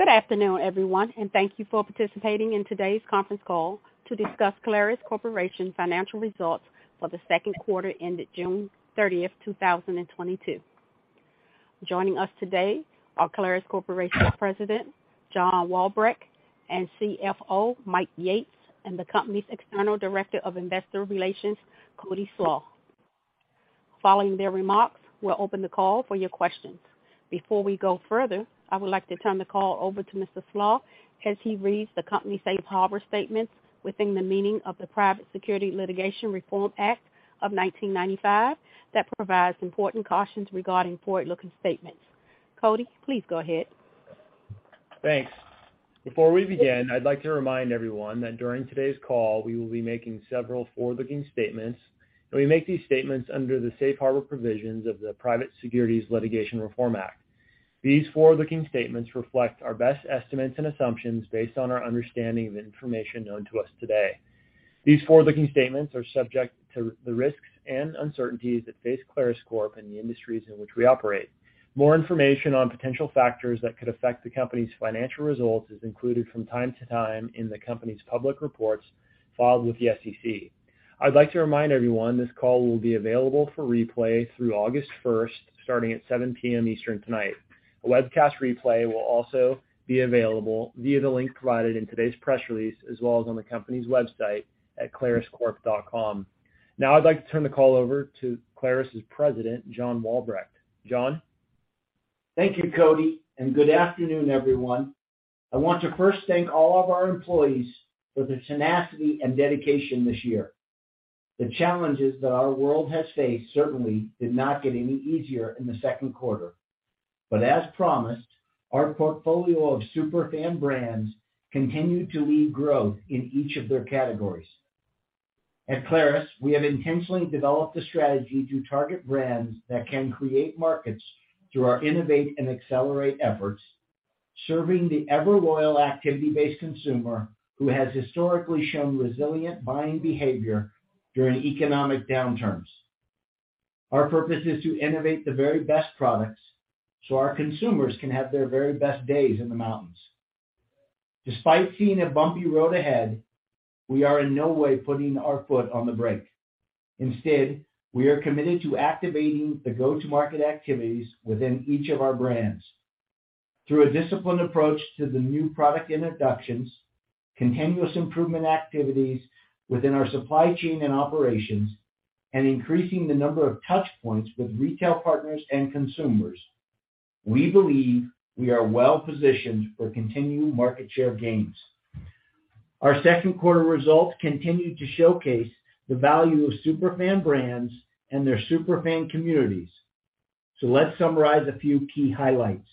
Good afternoon, everyone, and thank you for participating in today's conference call to discuss Clarus Corporation's financial results for the second quarter ended June 30, 2022. Joining us today are Clarus Corporation's President, John Walbrecht, and CFO, Mike Yates, and the company's External Director of Investor Relations, Cody Slach. Following their remarks, we'll open the call for your questions. Before we go further, I would like to turn the call over to Mr. Slach as he reads the company's safe harbor statement within the meaning of the Private Securities Litigation Reform Act of 1995 that provides important cautions regarding forward-looking statements. Cody, please go ahead. Thanks. Before we begin, I'd like to remind everyone that during today's call, we will be making several forward-looking statements, and we make these statements under the Safe Harbor provisions of the Private Securities Litigation Reform Act. These forward-looking statements reflect our best estimates and assumptions based on our understanding of information known to us today. These forward-looking statements are subject to the risks and uncertainties that face Clarus Corp. in the industries in which we operate. More information on potential factors that could affect the company's financial results is included from time to time in the company's public reports filed with the SEC. I'd like to remind everyone this call will be available for replay through August First, starting at 7:00 P.M. Eastern tonight. A webcast replay will also be available via the link provided in today's press release, as well as on the company's website at claruscorp.com. Now I'd like to turn the call over to Clarus's president, John Walbrecht. John? Thank you, Cody, and good afternoon, everyone. I want to first thank all of our employees for their tenacity and dedication this year. The challenges that our world has faced certainly did not get any easier in the second quarter. As promised, our portfolio of super fan brands continued to lead growth in each of their categories. At Clarus, we have intentionally developed a strategy to target brands that can create markets through our innovate and accelerate efforts, serving the ever loyal activity-based consumer who has historically shown resilient buying behavior during economic downturns. Our purpose is to innovate the very best products so our consumers can have their very best days in the mountains. Despite seeing a bumpy road ahead, we are in no way putting our foot on the brake. Instead, we are committed to activating the go-to-market activities within each of our brands. Through a disciplined approach to the new product introductions, continuous improvement activities within our supply chain and operations, and increasing the number of touch points with retail partners and consumers, we believe we are well positioned for continued market share gains. Our second quarter results continue to showcase the value of super fan brands and their super fan communities. Let's summarize a few key highlights.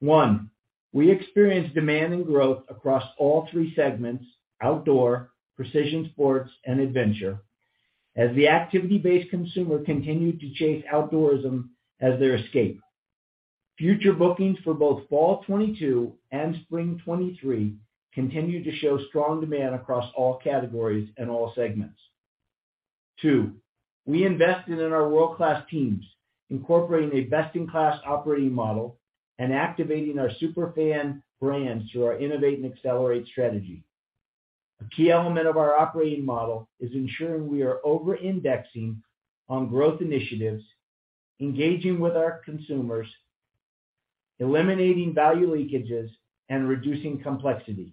One, we experienced demand and growth across all three segments, Outdoor, Precision Sports, and Adventure, as the activity-based consumer continued to chase outdoorism as their escape. Future bookings for both fall 2022 and spring 2023 continue to show strong demand across all categories and all segments. Two, we invested in our world-class teams, incorporating a best-in-class operating model and activating our super fan brands through our innovate and accelerate strategy. A key element of our operating model is ensuring we are over-indexing on growth initiatives, engaging with our consumers, eliminating value leakages, and reducing complexity.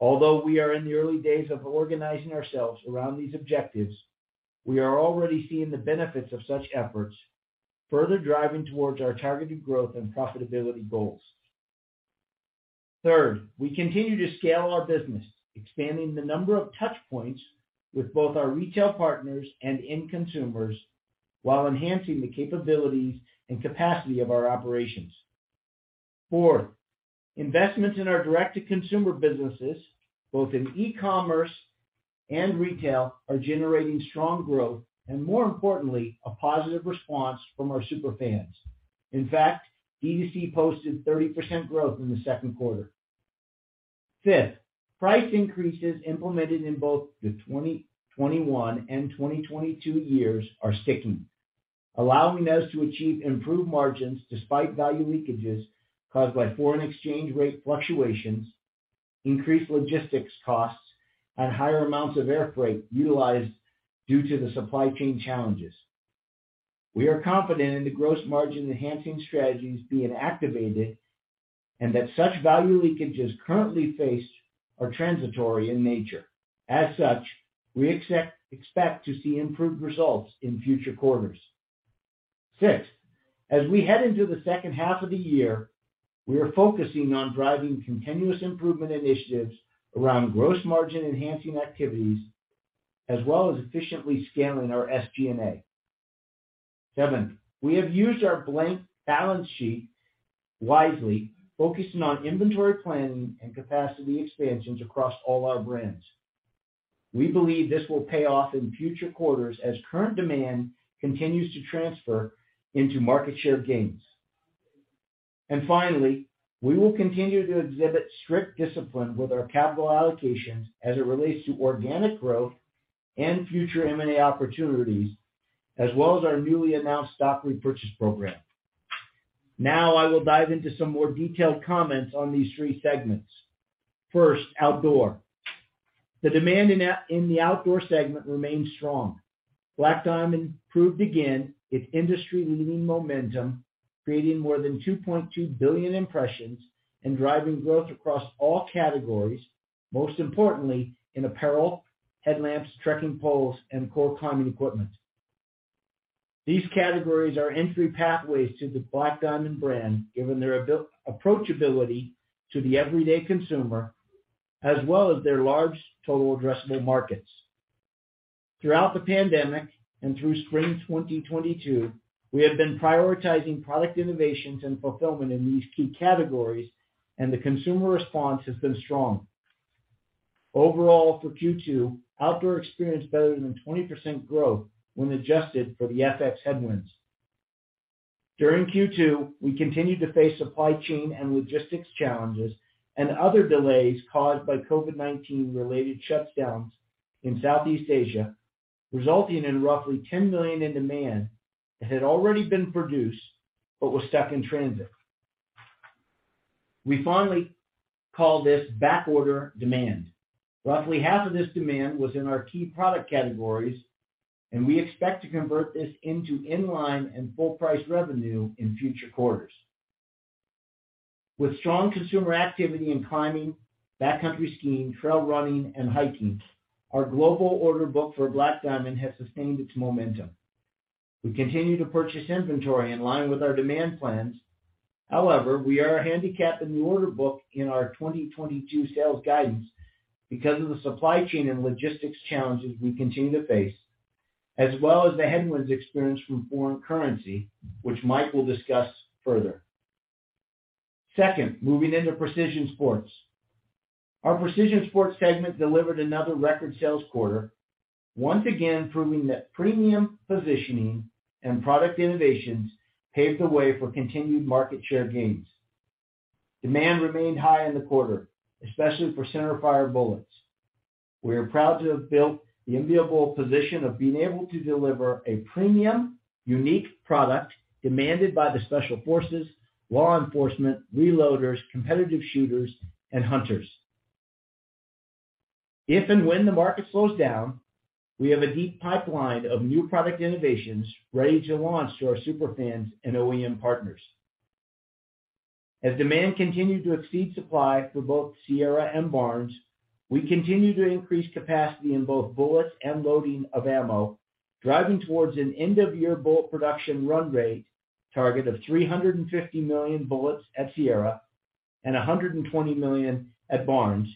Although we are in the early days of organizing ourselves around these objectives, we are already seeing the benefits of such efforts, further driving towards our targeted growth and profitability goals. Third, we continue to scale our business, expanding the number of touch points with both our retail partners and end consumers while enhancing the capabilities and capacity of our operations. Four, investments in our direct-to-consumer businesses, both in e-commerce and retail, are generating strong growth and, more importantly, a positive response from our super fans. In fact, DTC posted 30% growth in the second quarter. Fifth, price increases implemented in both the 2021 and 2022 years are sticking, allowing us to achieve improved margins despite value leakages caused by foreign exchange rate fluctuations, increased logistics costs, and higher amounts of air freight utilized due to the supply chain challenges. We are confident in the gross margin enhancing strategies being activated and that such value leakages currently faced are transitory in nature. As such, we expect to see improved results in future quarters. Six, as we head into the second half of the year, we are focusing on driving continuous improvement initiatives around gross margin enhancing activities as well as efficiently scaling our SG&A. Seven, we have used our strong balance sheet wisely, focusing on inventory planning and capacity expansions across all our brands. We believe this will pay off in future quarters as current demand continues to transfer into market share gains. Finally, we will continue to exhibit strict discipline with our capital allocations as it relates to organic growth and future M&A opportunities. As well as our newly announced stock repurchase program. Now I will dive into some more detailed comments on these three segments. First, Outdoor. The demand in the Outdoor segment remains strong. Black Diamond proved again its industry-leading momentum, creating more than 2.2 billion impressions and driving growth across all categories, most importantly, in apparel, headlamps, trekking poles, and core climbing equipment. These categories are entry pathways to the Black Diamond brand, given their approachability to the everyday consumer, as well as their large total addressable markets. Throughout the pandemic and through spring 2022, we have been prioritizing product innovations and fulfillment in these key categories, and the consumer response has been strong. Overall, for Q2, Outdoor experienced better than 20% growth when adjusted for the FX headwinds. During Q2, we continued to face supply chain and logistics challenges and other delays caused by COVID-19 related shutdowns in Southeast Asia, resulting in roughly $10 million in demand that had already been produced but was stuck in transit. We finally call this backorder demand. Roughly half of this demand was in our key product categories, and we expect to convert this into in-line and full price revenue in future quarters. With strong consumer activity in climbing, backcountry skiing, trail running, and hiking, our global order book for Black Diamond has sustained its momentum. We continue to purchase inventory in line with our demand plans. However, we are handicapping the order book in our 2022 sales guidance because of the supply chain and logistics challenges we continue to face, as well as the headwinds experienced from foreign currency, which Mike will discuss further. Second, moving into Precision Sports. Our Precision Sports segment delivered another record sales quarter, once again proving that premium positioning and product innovations paved the way for continued market share gains. Demand remained high in the quarter, especially for Centerfire bullets. We are proud to have built the enviable position of being able to deliver a premium, unique product demanded by the special forces, law enforcement, reloaders, competitive shooters, and hunters. If and when the market slows down, we have a deep pipeline of new product innovations ready to launch to our super fans and OEM partners. As demand continued to exceed supply for both Sierra and Barnes, we continue to increase capacity in both bullets and loading of ammo, driving towards an end-of-year bullet production run rate target of 350 million bullets at Sierra and 120 million at Barnes,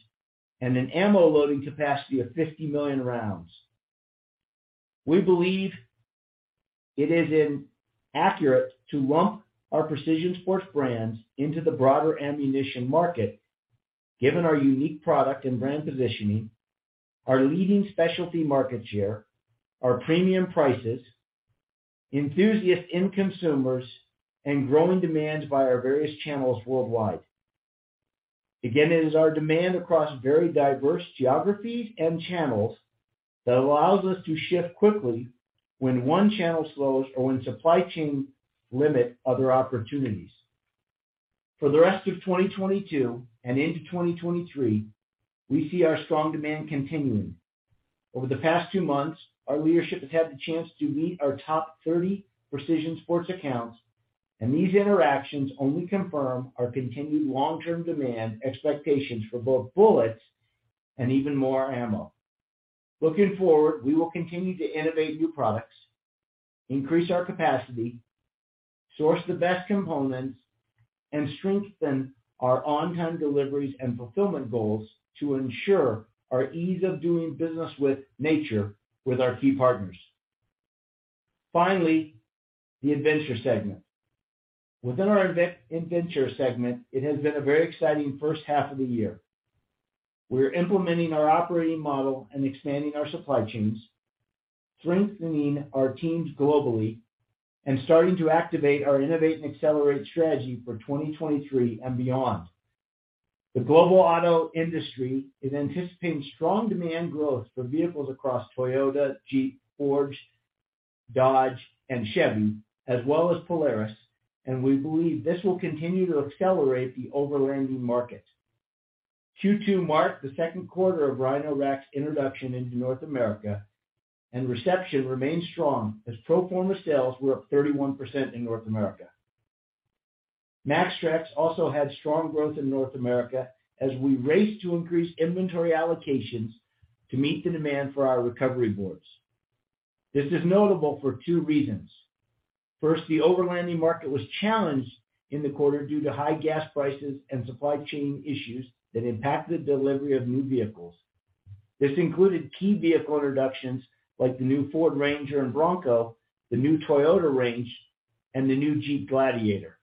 and an ammo loading capacity of 50 million rounds. We believe it is inaccurate to lump our Precision Sports brands into the broader ammunition market, given our unique product and brand positioning, our leading specialty market share, our premium prices, enthusiast end consumers, and growing demand by our various channels worldwide. Again, it is our demand across very diverse geographies and channels that allows us to shift quickly when one channel slows or when supply chain limit other opportunities. For the rest of 2022 and into 2023, we see our strong demand continuing. Over the past two months, our leadership has had the chance to meet our top 30 Precision Sports accounts, and these interactions only confirm our continued long-term demand expectations for both bullets and even more ammo. Looking forward, we will continue to innovate new products, increase our capacity, source the best components, and strengthen our on-time deliveries and fulfillment goals to ensure our ease of doing business with nature with our key partners. Finally, the Adventure segment. Within our Adventure segment, it has been a very exciting first half of the year. We are implementing our operating model and expanding our supply chains, strengthening our teams globally, and starting to activate our innovate and accelerate strategy for 2023 and beyond. The global auto industry is anticipating strong demand growth for vehicles across Toyota, Jeep, Ford, Dodge, and Chevy, as well as Polaris, and we believe this will continue to accelerate the overlanding market. Q2 marked the second quarter of Rhino-Rack's introduction into North America, and reception remained strong as pro forma sales were up 31% in North America. MAXTRAX also had strong growth in North America as we raced to increase inventory allocations to meet the demand for our recovery boards. This is notable for two reasons. First, the overlanding market was challenged in the quarter due to high gas prices and supply chain issues that impacted delivery of new vehicles. This included key vehicle introductions like the new Ford Ranger and Bronco, the new Toyota Ranger, and the new Jeep Gladiator.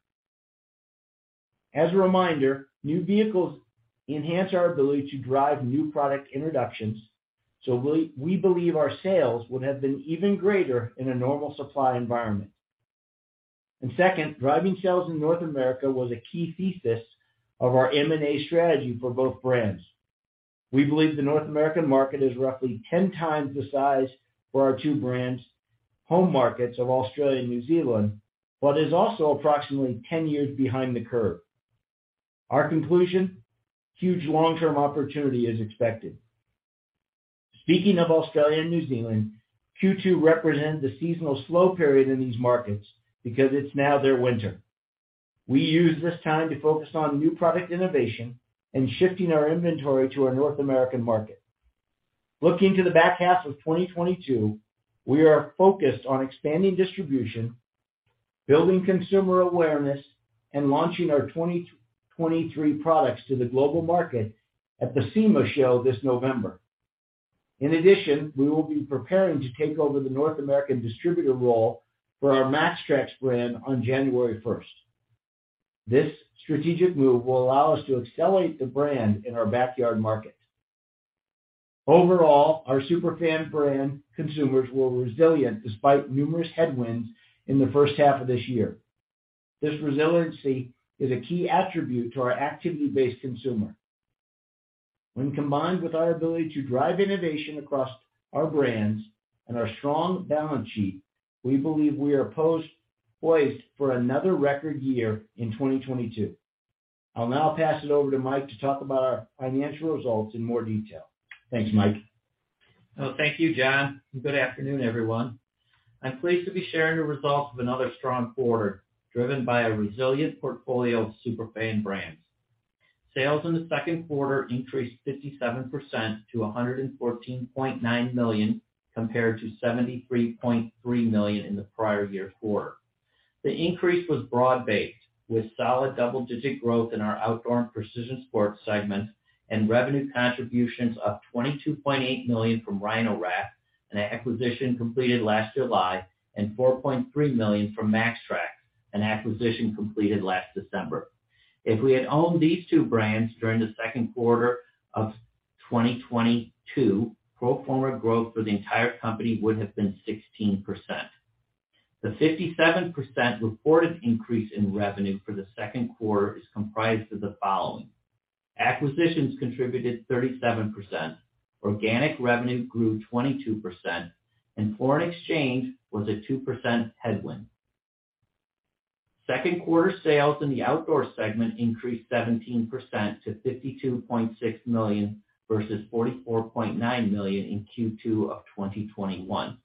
As a reminder, new vehicles enhance our ability to drive new product introductions, so we believe our sales would have been even greater in a normal supply environment. Second, driving sales in North America was a key thesis of our M&A strategy for both brands. We believe the North American market is roughly ten times the size for our two brands' home markets of Australia and New Zealand, but is also approximately ten years behind the curve. Our conclusion, huge long-term opportunity is expected. Speaking of Australia and New Zealand, Q2 represents the seasonal slow period in these markets because it's now their winter. We use this time to focus on new product innovation and shifting our inventory to our North American market. Looking to the back half of 2022, we are focused on expanding distribution, building consumer awareness, and launching our 2023 products to the global market at the SEMA show this November. In addition, we will be preparing to take over the North American distributor role for our MAXTRAX brand on January 1. This strategic move will allow us to accelerate the brand in our backyard market. Overall, our Superfan brand consumers were resilient despite numerous headwinds in the first half of this year. This resiliency is a key attribute to our activity-based consumer. When combined with our ability to drive innovation across our brands and our strong balance sheet, we believe we are poised for another record year in 2022. I'll now pass it over to Mike to talk about our financial results in more detail. Thanks, Mike. Well, thank you, John, and good afternoon, everyone. I'm pleased to be sharing the results of another strong quarter, driven by a resilient portfolio of Superfan brands. Sales in the second quarter increased 57% to $114.9 million, compared to $73.3 million in the prior year quarter. The increase was broad-based, with solid double-digit growth in our outdoor and precision sports segments and revenue contributions of $22.8 million from Rhino-Rack, an acquisition completed last July, and $4.3 million from MAXTRAX, an acquisition completed last December. If we had owned these two brands during the second quarter of 2022, pro forma growth for the entire company would have been 16%. The 57% reported increase in revenue for the second quarter is comprised of the following. Acquisitions contributed 37%, organic revenue grew 22%, and foreign exchange was a 2% headwind. Second quarter sales in the Outdoor segment increased 17% to $52.6 million, versus $44.9 million in Q2 of 2021.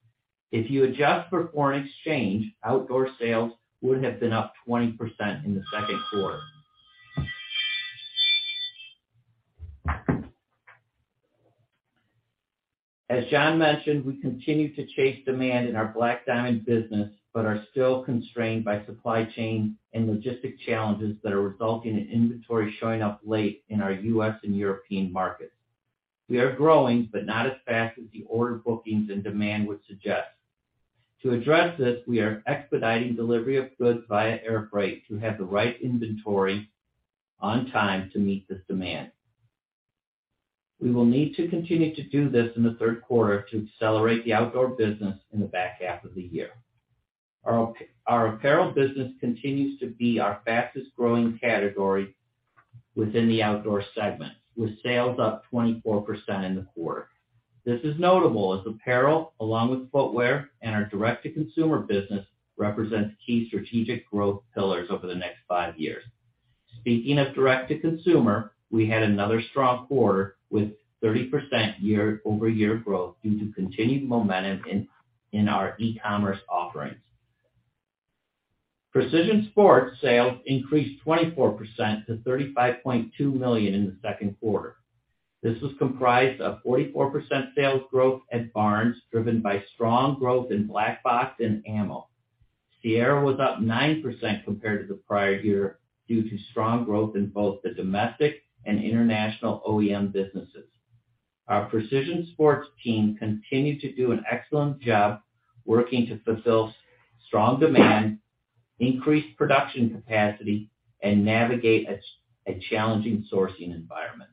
If you adjust for foreign exchange, Outdoor sales would have been up 20% in the second quarter. As John mentioned, we continue to chase demand in our Black Diamond business, but are still constrained by supply chain and logistic challenges that are resulting in inventory showing up late in our U.S. and European markets. We are growing, but not as fast as the order bookings and demand would suggest. To address this, we are expediting delivery of goods via air freight to have the right inventory on time to meet this demand. We will need to continue to do this in the third quarter to accelerate the outdoor business in the back half of the year. Our apparel business continues to be our fastest-growing category within the outdoor segment, with sales up 24% in the quarter. This is notable as apparel, along with footwear and our direct-to-consumer business, represents key strategic growth pillars over the next 5 years. Speaking of direct-to-consumer, we had another strong quarter with 30% year-over-year growth due to continued momentum in our e-commerce offerings. Precision Sports sales increased 24% to $35.2 million in the second quarter. This was comprised of 44% sales growth at Barnes, driven by strong growth in Black Box and ammo. Sierra was up 9% compared to the prior year due to strong growth in both the domestic and international OEM businesses. Our Precision Sports team continued to do an excellent job working to fulfill strong demand, increase production capacity, and navigate a challenging sourcing environment.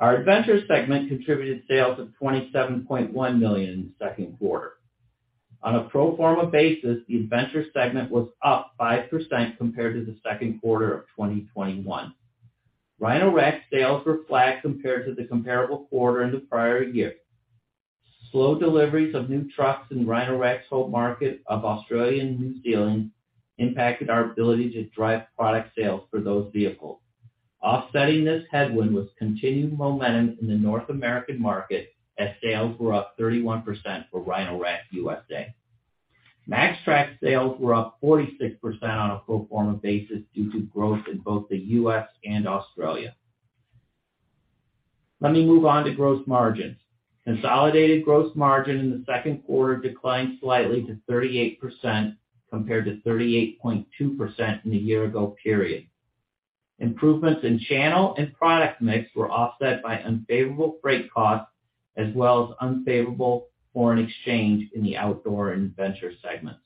Our Adventure segment contributed sales of $27.1 million in the second quarter. On a pro forma basis, the Adventure segment was up 5% compared to the second quarter of 2021. Rhino-Rack sales were flat compared to the comparable quarter in the prior year. Slow deliveries of new trucks in Rhino-Rack's home market of Australia and New Zealand impacted our ability to drive product sales for those vehicles. Offsetting this headwind was continued momentum in the North American market as sales were up 31% for Rhino-Rack USA. MAXTRAX sales were up 46% on a pro forma basis due to growth in both the U.S. and Australia. Let me move on to gross margins. Consolidated gross margin in the second quarter declined slightly to 38%, compared to 38.2% in the year ago period. Improvements in channel and product mix were offset by unfavorable freight costs as well as unfavorable foreign exchange in the outdoor and adventure segments.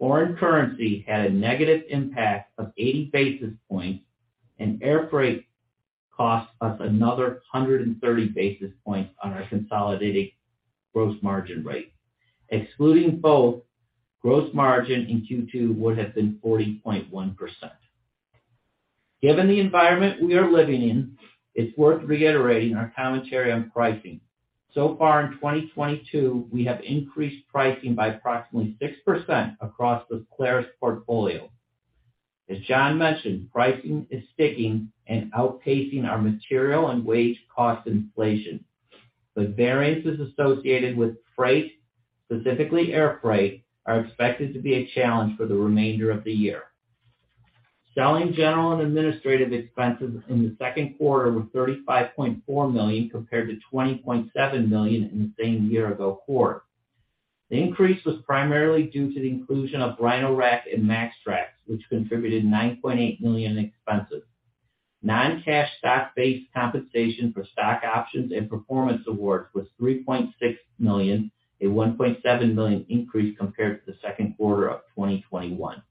Foreign currency had a negative impact of 80 basis points, and air freight cost us another 130 basis points on our consolidated gross margin rate. Excluding both, gross margin in Q2 would have been 40.1%. Given the environment we are living in, it's worth reiterating our commentary on pricing. In 2022, we have increased pricing by approximately 6% across the Clarus portfolio. As John mentioned, pricing is sticking and outpacing our material and wage cost inflation. Variances associated with freight, specifically air freight, are expected to be a challenge for the remainder of the year. Selling general and administrative expenses in the second quarter were $35.4 million, compared to $20.7 million in the same year ago quarter. The increase was primarily due to the inclusion of Rhino-Rack and MAXTRAX, which contributed $9.8 million in expenses. Non-cash stock-based compensation for stock options and performance awards was $3.6 million, a $1.7 million increase compared to the second quarter of 2021.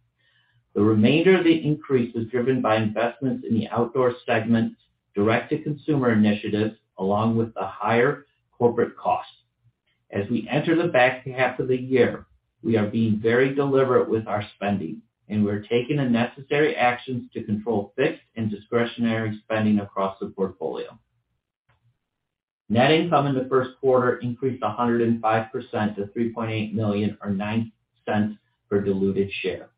The remainder of the increase is driven by investments in the Outdoor segment, direct-to-consumer initiatives, along with the higher corporate costs. As we enter the back half of the year, we are being very deliberate with our spending, and we're taking the necessary actions to control fixed and discretionary spending across the portfolio. Net income in the first quarter increased 105% to $3.8 million or $0.09 per diluted share.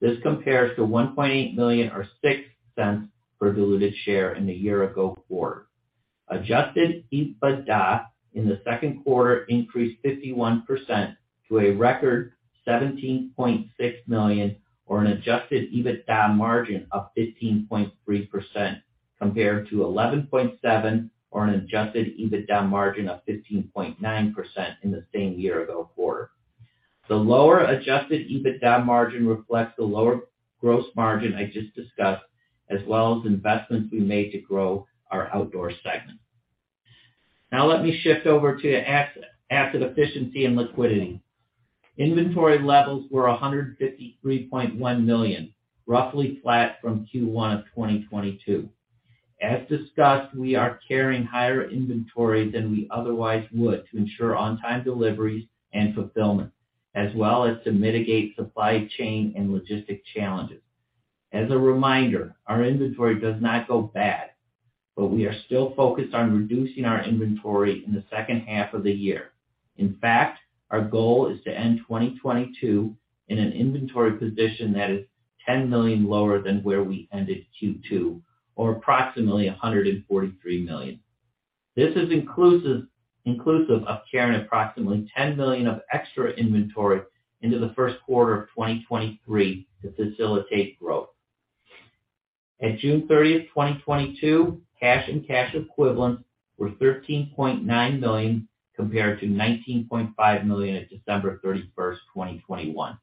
This compares to $1.8 million or $0.06 per diluted share in the year ago quarter. Adjusted EBITDA in the second quarter increased 51% to a record $17.6 million or an adjusted EBITDA margin of 15.3%, compared to $11.7 million or an adjusted EBITDA margin of 15.9% in the same year ago quarter. The lower adjusted EBITDA margin reflects the lower gross margin I just discussed, as well as investments we made to grow our outdoor segment. Now let me shift over to asset efficiency and liquidity. Inventory levels were $153.1 million, roughly flat from Q1 of 2022. As discussed, we are carrying higher inventory than we otherwise would to ensure on-time deliveries and fulfillment, as well as to mitigate supply chain and logistics challenges. As a reminder, our inventory does not go bad, but we are still focused on reducing our inventory in the second half of the year. In fact, our goal is to end 2022 in an inventory position that is $10 million lower than where we ended Q2 or approximately $143 million. This is inclusive of carrying approximately $10 million of extra inventory into the first quarter of 2023 to facilitate growth. At June 30, 2022, cash and cash equivalents were $13.9 million, compared to $19.5 million at December 31, 2021.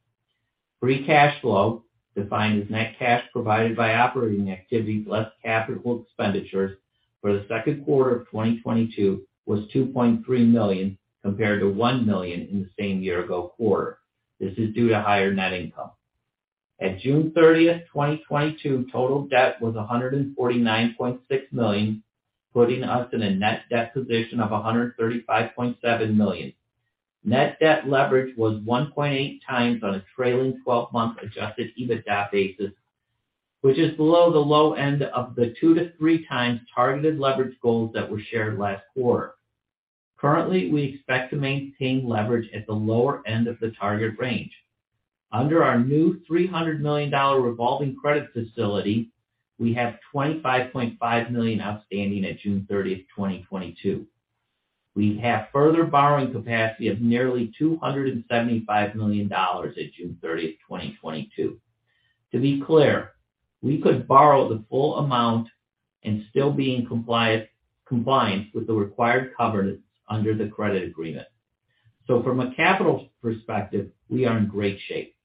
Free cash flow, defined as net cash provided by operating activities less capital expenditures for the second quarter of 2022, was $2.3 million, compared to $1 million in the same year-ago quarter. This is due to higher net income. At June 30, 2022, total debt was $149.6 million, putting us in a net debt position of $135.7 million. Net debt leverage was 1.8 times on a trailing twelve-month adjusted EBITDA basis, which is below the low end of the 2-3 times targeted leverage goals that were shared last quarter. Currently, we expect to maintain leverage at the lower end of the target range. Under our new $300 million revolving credit facility, we have $25.5 million outstanding at June 30, 2022. We have further borrowing capacity of nearly $275 million at June 30, 2022. To be clear, we could borrow the full amount and still be in compliance with the required covenants under the credit agreement. From a capital perspective, we are in great shape.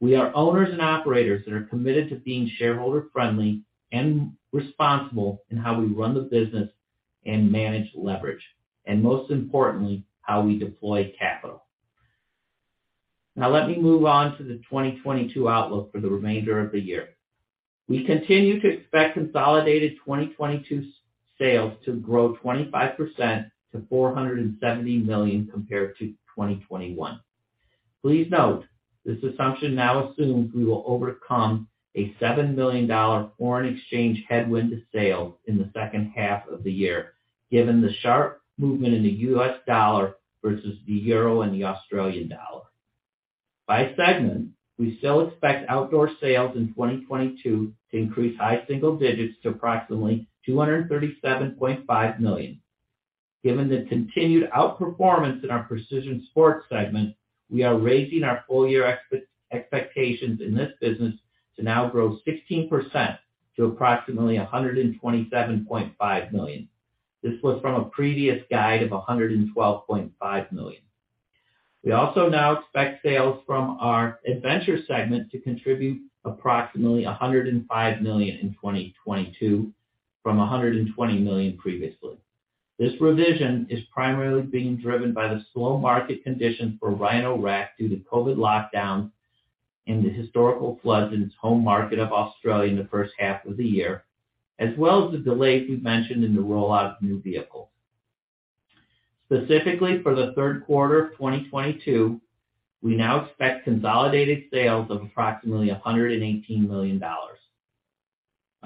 We are owners and operators and are committed to being shareholder friendly and responsible in how we run the business and manage leverage, and most importantly, how we deploy capital. Now let me move on to the 2022 outlook for the remainder of the year. We continue to expect consolidated 2022 sales to grow 25% to $470 million compared to 2021. Please note, this assumption now assumes we will overcome a $7 million foreign exchange headwind to sales in the second half of the year, given the sharp movement in the U.S. dollar versus the euro and the Australian dollar. By segment, we still expect outdoor sales in 2022 to increase high single digits to approximately $237.5 million. Given the continued outperformance in our Precision Sports segment, we are raising our full-year expectations in this business to now grow 16% to approximately $127.5 million. This was from a previous guide of $112.5 million. We also now expect sales from our Adventure segment to contribute approximately $105 million in 2022 from $120 million previously. This revision is primarily being driven by the slow market conditions for Rhino-Rack due to COVID lockdowns in the historical floods in its home market of Australia in the first half of the year, as well as the delays we've mentioned in the rollout of new vehicles. Specifically for the third quarter of 2022, we now expect consolidated sales of approximately $118 million.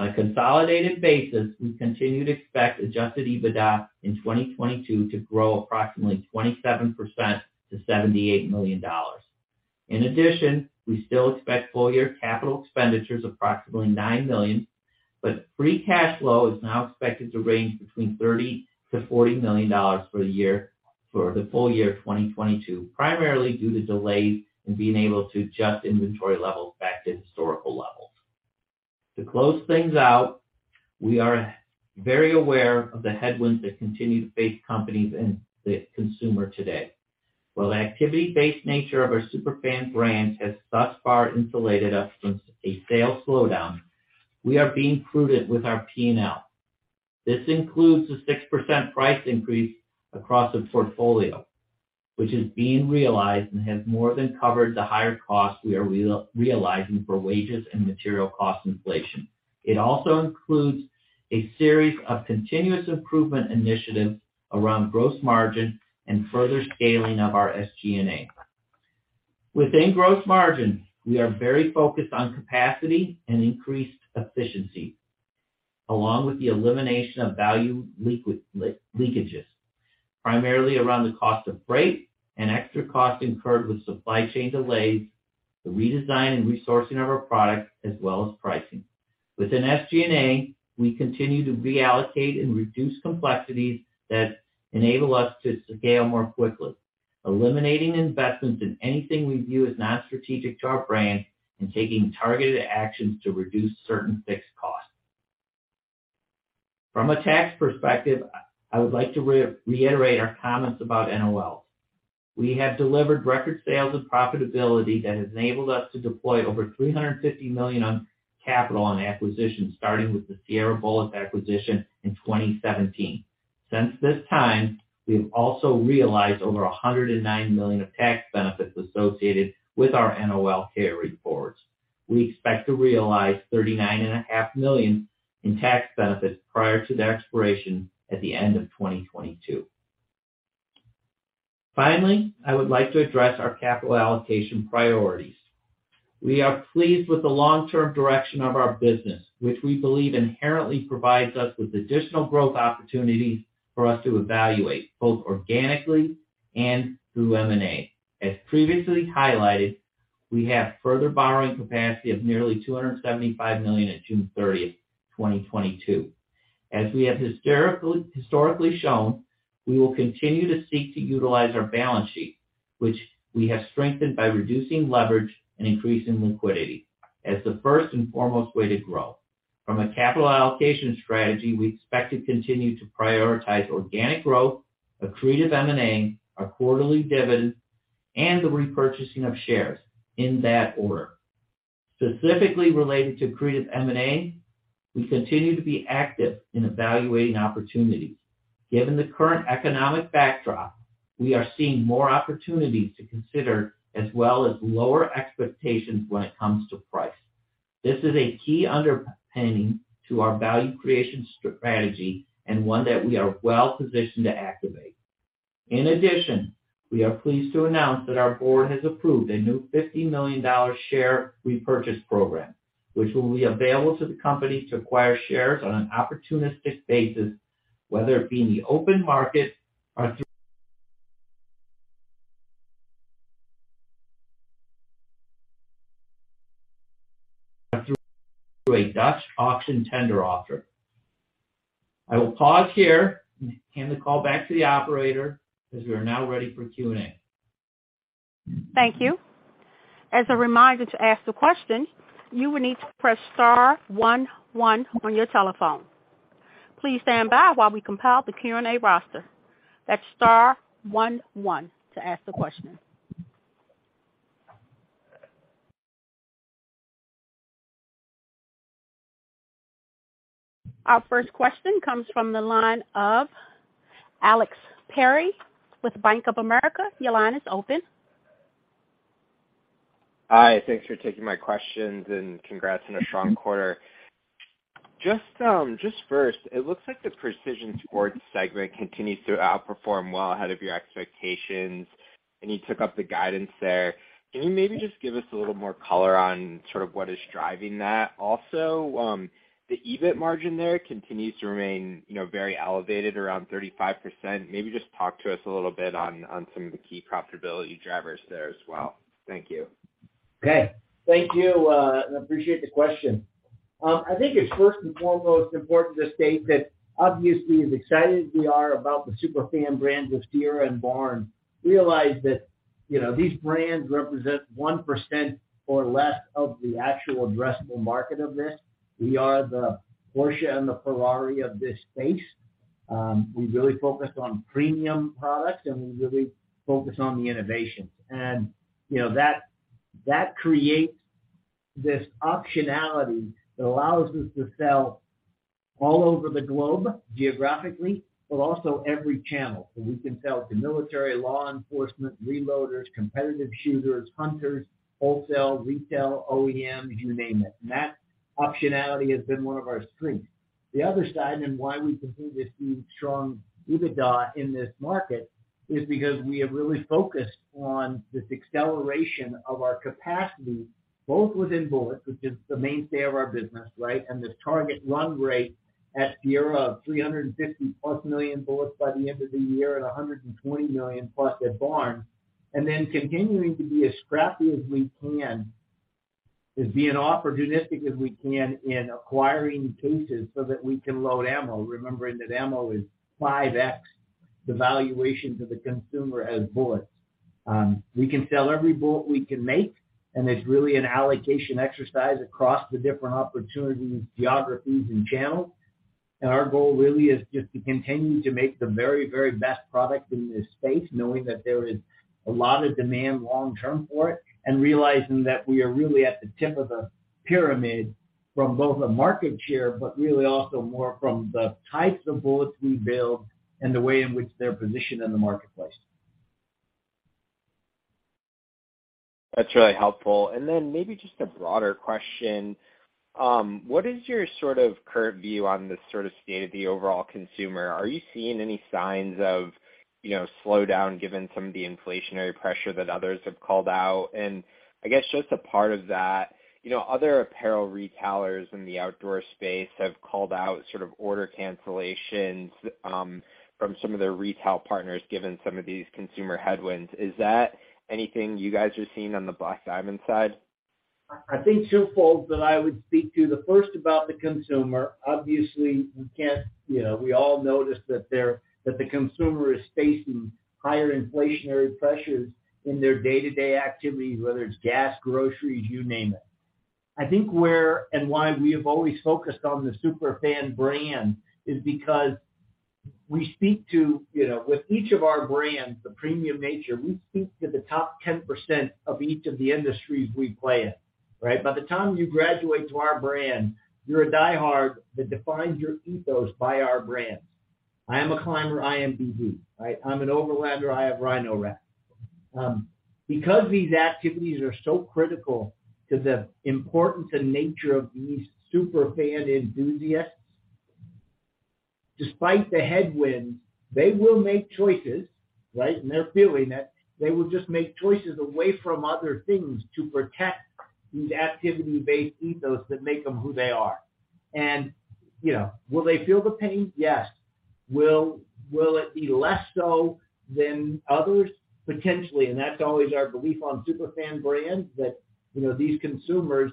On a consolidated basis, we continue to expect adjusted EBITDA in 2022 to grow approximately 27% to $78 million. In addition, we still expect full year capital expenditures approximately $9 million, but free cash flow is now expected to range between $30-$40 million for the year, for the full year 2022, primarily due to delays in being able to adjust inventory levels back to historical levels. To close things out, we are very aware of the headwinds that continue to face companies and the consumer today. While the activity-based nature of our Superfan brands has thus far insulated us from a sales slowdown, we are being prudent with our P&L. This includes a 6% price increase across the portfolio, which is being realized and has more than covered the higher costs we are realizing for wages and material cost inflation. It also includes a series of continuous improvement initiatives around gross margin and further scaling of our SG&A. Within gross margin, we are very focused on capacity and increased efficiency, along with the elimination of value leakages, primarily around the cost of freight and extra costs incurred with supply chain delays, the redesign and resourcing of our products, as well as pricing. Within SG&A, we continue to reallocate and reduce complexities that enable us to scale more quickly, eliminating investments in anything we view as non-strategic to our brand and taking targeted actions to reduce certain fixed costs. From a tax perspective, I would like to reiterate our comments about NOLs. We have delivered record sales and profitability that has enabled us to deploy over $350 million on capital and acquisitions, starting with the Sierra Bullets acquisition in 2017. Since this time, we've also realized over $109 million of tax benefits associated with our NOL carryforwards. We expect to realize $39.5 million in tax benefits prior to their expiration at the end of 2022. Finally, I would like to address our capital allocation priorities. We are pleased with the long-term direction of our business, which we believe inherently provides us with additional growth opportunities for us to evaluate, both organically and through M&A. As previously highlighted, we have further borrowing capacity of nearly $275 million at June 30, 2022. As we have historically shown, we will continue to seek to utilize our balance sheet, which we have strengthened by reducing leverage and increasing liquidity as the first and foremost way to grow. From a capital allocation strategy, we expect to continue to prioritize organic growth, accretive M&A, our quarterly dividend, and the repurchasing of shares in that order. Specifically related to accretive M&A, we continue to be active in evaluating opportunities. Given the current economic backdrop, we are seeing more opportunities to consider as well as lower expectations when it comes to price. This is a key underpinning to our value creation strategy and one that we are well positioned to activate. In addition, we are pleased to announce that our board has approved a new $50 million share repurchase program, which will be available to the company to acquire shares on an opportunistic basis, whether it be in the open market or through a Dutch auction tender offer. I will pause here and hand the call back to the operator as we are now ready for Q&A. Thank you. As a reminder to ask the question, you will need to press star one one on your telephone. Please stand by while we compile the Q&A roster. That's star one one to ask the question. Our first question comes from the line of Alex Perry with Bank of America. Your line is open. Hi. Thanks for taking my questions and congrats on a strong quarter. Just first, it looks like the Precision Sports segment continues to outperform well ahead of your expectations, and you took up the guidance there. Can you maybe just give us a little more color on sort of what is driving that? Also, the EBIT margin there continues to remain, you know, very elevated around 35%. Maybe just talk to us a little bit on some of the key profitability drivers there as well. Thank you. Okay. Thank you. I appreciate the question. I think it's first and foremost important to state that obviously, as excited as we are about the Superfan brands of Sierra and Barnes, realize that, you know, these brands represent 1% or less of the actual addressable market of this. We are the Porsche and the Ferrari of this space. We really focus on premium products, and we really focus on the innovations. You know, that creates This optionality that allows us to sell all over the globe geographically, but also every channel. We can sell to military, law enforcement, reloaders, competitive shooters, hunters, wholesale, retail, OEMs, you name it. That optionality has been one of our strengths. The other side and why we continue to see strong EBITDA in this market is because we have really focused on this acceleration of our capacity, both within bullets, which is the mainstay of our business, right? This target run rate at Sierra of 350+ million bullets by the end of the year at a 120 million+ at Barnes. Continuing to be as scrappy as we can, as being opportunistic as we can in acquiring cases so that we can load ammo, remembering that ammo is 5x the valuation to the consumer as bullets. We can sell every bullet we can make, and it's really an allocation exercise across the different opportunities, geographies, and channels. Our goal really is just to continue to make the very, very best product in this space, knowing that there is a lot of demand long term for it, and realizing that we are really at the tip of the pyramid from both a market share, but really also more from the types of bullets we build and the way in which they're positioned in the marketplace. That's really helpful. Maybe just a broader question. What is your sort of current view on the sort of state of the overall consumer? Are you seeing any signs of, you know, slowdown given some of the inflationary pressure that others have called out? I guess just a part of that, you know, other apparel retailers in the outdoor space have called out sort of order cancellations, from some of their retail partners, given some of these consumer headwinds. Is that anything you guys are seeing on the Black Diamond side? I think twofold that I would speak to. The first about the consumer, obviously, we can't, you know, we all notice that the consumer is facing higher inflationary pressures in their day-to-day activities, whether it's gas, groceries, you name it. I think where and why we have always focused on the super fan brand is because we speak to, you know, with each of our brands, the premium nature, we speak to the top 10% of each of the industries we play in, right? By the time you graduate to our brand, you're a diehard that defines your ethos by our brands. I am a climber, I am BD, right? I'm an Overlander, I have Rhino-Rack. Because these activities are so critical to the importance and nature of these super fan enthusiasts, despite the headwinds, they will make choices, right? They're feeling it. They will just make choices away from other things to protect these activity-based ethos that make them who they are. You know, will they feel the pain? Yes. Will it be less so than others? Potentially. That's always our belief on super fan brands that, you know, these consumers,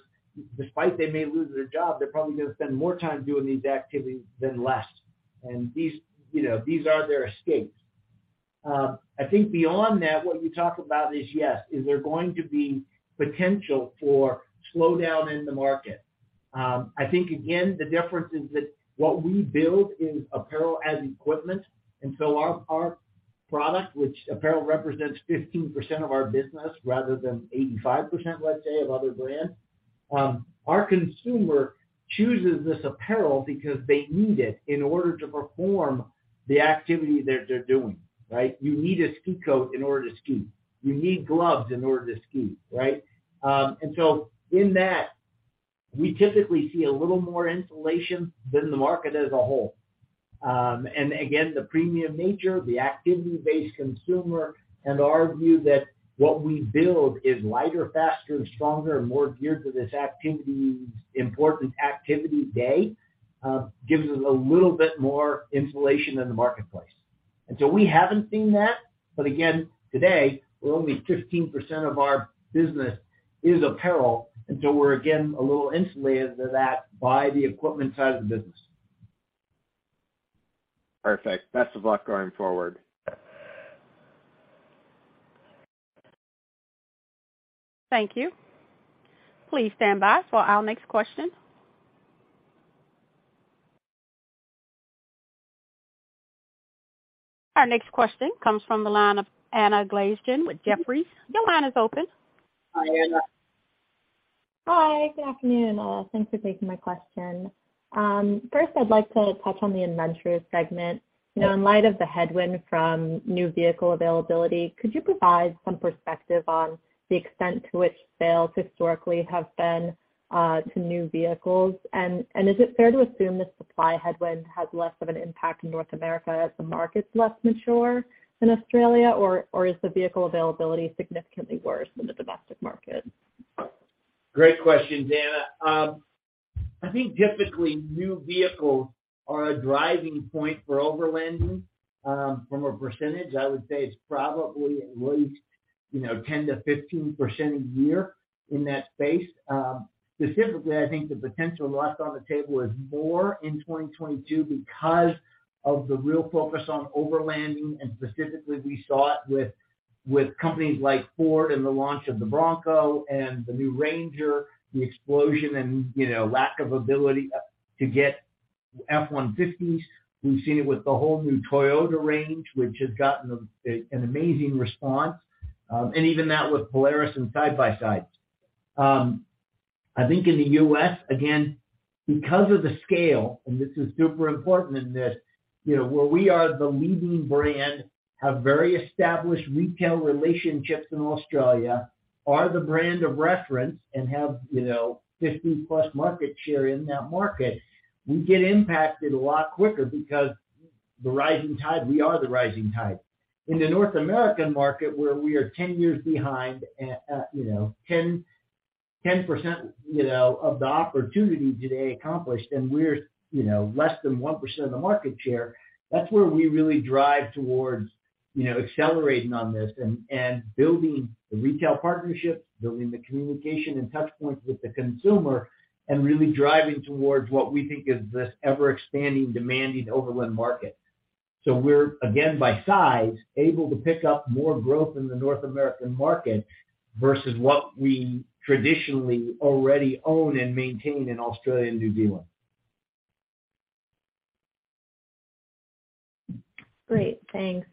despite they may lose their job, they're probably gonna spend more time doing these activities than less. These, you know, these are their escapes. I think beyond that, what you talk about is, yes, is there going to be potential for slowdown in the market? I think again, the difference is that what we build is apparel and equipment, and so our product, which apparel represents 15% of our business rather than 85%, let's say, of other brands, our consumer chooses this apparel because they need it in order to perform the activity that they're doing, right? You need a ski coat in order to ski. You need gloves in order to ski, right? We typically see a little more insulation than the market as a whole. Again, the premium nature, the activity-based consumer, and our view that what we build is lighter, faster, stronger, more geared to this activity's important activity day, gives us a little bit more insulation in the marketplace. We haven't seen that, but again, today, we're only 15% of our business is apparel, and so we're, again, a little insulated to that by the equipment side of the business. Perfect. Best of luck going forward. Thank you. Please stand by for our next question. Our next question comes from the line of Anna Glaessgen with Jefferies. Your line is open. Hi, Anna. Hi. Good afternoon. Thanks for taking my question. First I'd like to touch on the Adventure segment. You know, in light of the headwind from new vehicle availability, could you provide some perspective on the extent to which sales historically have been to new vehicles? Is it fair to assume the supply headwind has less of an impact in North America as the market's less mature than Australia, or is the vehicle availability significantly worse than the domestic market? Great question, Anna. I think typically new vehicles are a driving point for Overlanding. From a percentage, I would say it's probably at least, you know, 10%-15% a year in that space. Specifically, I think the potential left on the table is more in 2022 because of the real focus on Overlanding, and specifically we saw it with companies like Ford and the launch of the Bronco and the new Ranger, the explosion and, you know, lack of ability to get F-150s. We've seen it with the whole new Toyota range, which has gotten an amazing response, and even that with Polaris and side-by-sides. I think in the US, again, because of the scale, and this is super important in this, you know, where we are the leading brand, have very established retail relationships in Australia, are the brand of reference and have, you know, 50+% market share in that market, we get impacted a lot quicker because the rising tide, we are the rising tide. In the North American market, where we are 10 years behind, you know, 10% of the opportunity today accomplished, and we're, you know, less than 1% of the market share, that's where we really drive towards, you know, accelerating on this and building the retail partnerships, building the communication and touch points with the consumer, and really driving towards what we think is this ever-expanding, demanding overland market. We're, again, by size, able to pick up more growth in the North American market versus what we traditionally already own and maintain in Australia and New Zealand. Great. Thanks.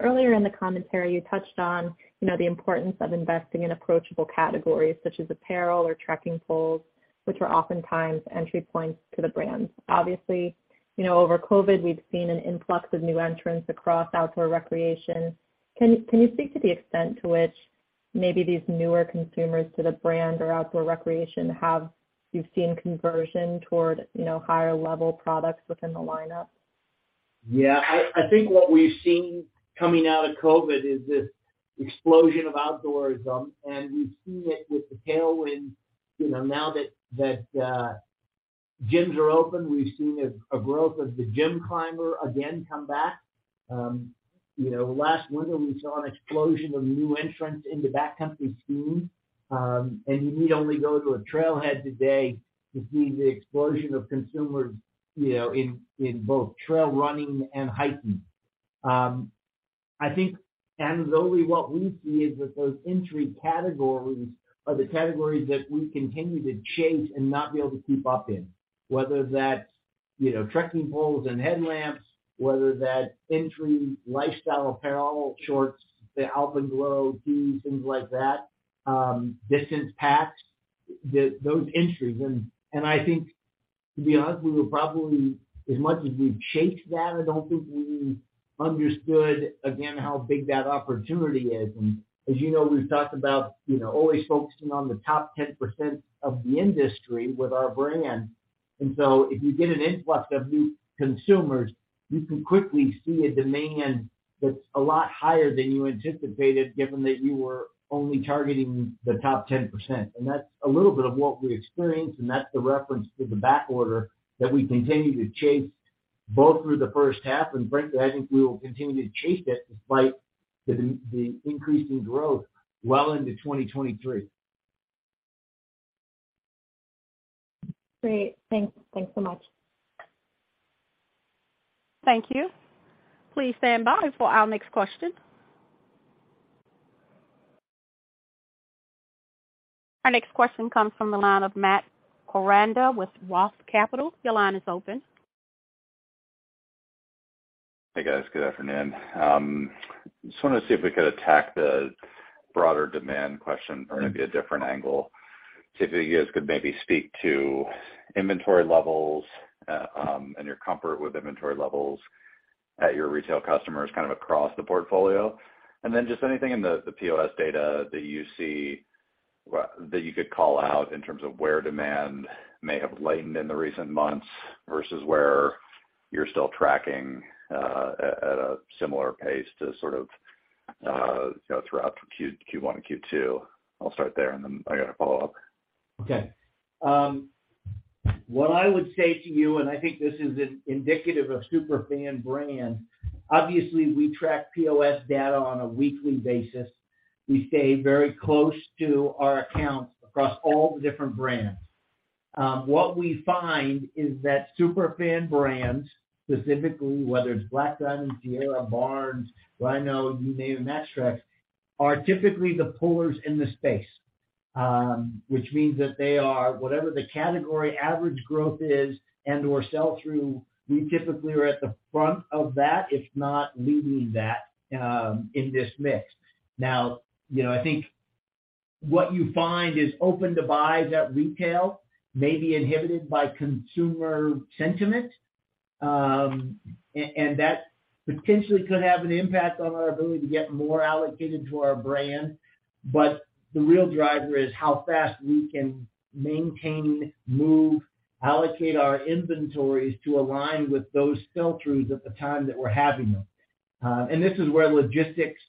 Earlier in the commentary, you touched on, you know, the importance of investing in approachable categories such as apparel or trekking poles, which are oftentimes entry points to the brands. Obviously, you know, over COVID, we've seen an influx of new entrants across outdoor recreation. Can you speak to the extent to which maybe these newer consumers to the brand or outdoor recreation have you seen conversion toward, you know, higher level products within the lineup? Yeah. I think what we've seen coming out of COVID is this explosion of outdoors. We've seen it with the tailwind, you know, now that gyms are open, we've seen a growth of the gym climber again come back. You know, last winter, we saw an explosion of new entrants into backcountry skiing. You need only go to a trailhead today to see the explosion of consumers, you know, in both trail running and hiking. I think really what we see is that those entry categories are the categories that we continue to chase and not be able to keep up in, whether that's, you know, trekking poles and headlamps, whether that's entry lifestyle apparel, shorts, the Alpenglow tees, things like that, distance packs, those entries. I think to be honest, we were probably, as much as we've chased that, I don't think we understood again how big that opportunity is. As you know, we've talked about, you know, always focusing on the top 10% of the industry with our brand. If you get an influx of new consumers, you can quickly see a demand that's a lot higher than you anticipated, given that you were only targeting the top 10%. That's a little bit of what we experienced, and that's the reference to the backorder that we continue to chase both through the first half, and frankly, I think we will continue to chase it despite the increase in growth well into 2023. Great. Thanks. Thanks so much. Thank you. Please stand by for our next question. Our next question comes from the line of Matt Koranda with ROTH Capital Partners. Your line is open. Hey, guys. Good afternoon. Just wanted to see if we could attack the broader demand question from maybe a different angle. See if you guys could maybe speak to inventory levels, and your comfort with inventory levels at your retail customers kind of across the portfolio. Just anything in the POS data that you see that you could call out in terms of where demand may have lightened in the recent months versus where you're still tracking at a similar pace to sort of you know throughout Q1 and Q2. I'll start there and then I got a follow-up. Okay. What I would say to you, and I think this is indicative of super fan brand, obviously we track POS data on a weekly basis. We stay very close to our accounts across all the different brands. What we find is that super fan brands, specifically whether it's Black Diamond, Sierra, Barnes, Rhino, you name it, MAXTRAX, are typically the pullers in the space. Which means that they are whatever the category average growth is and/or sell-through, we typically are at the front of that, if not leading that, in this mix. Now, you know, I think what you find is open to buys at retail may be inhibited by consumer sentiment, and that potentially could have an impact on our ability to get more allocated to our brand. The real driver is how fast we can maintain, move, allocate our inventories to align with those sell-throughs at the time that we're having them. This is where logistics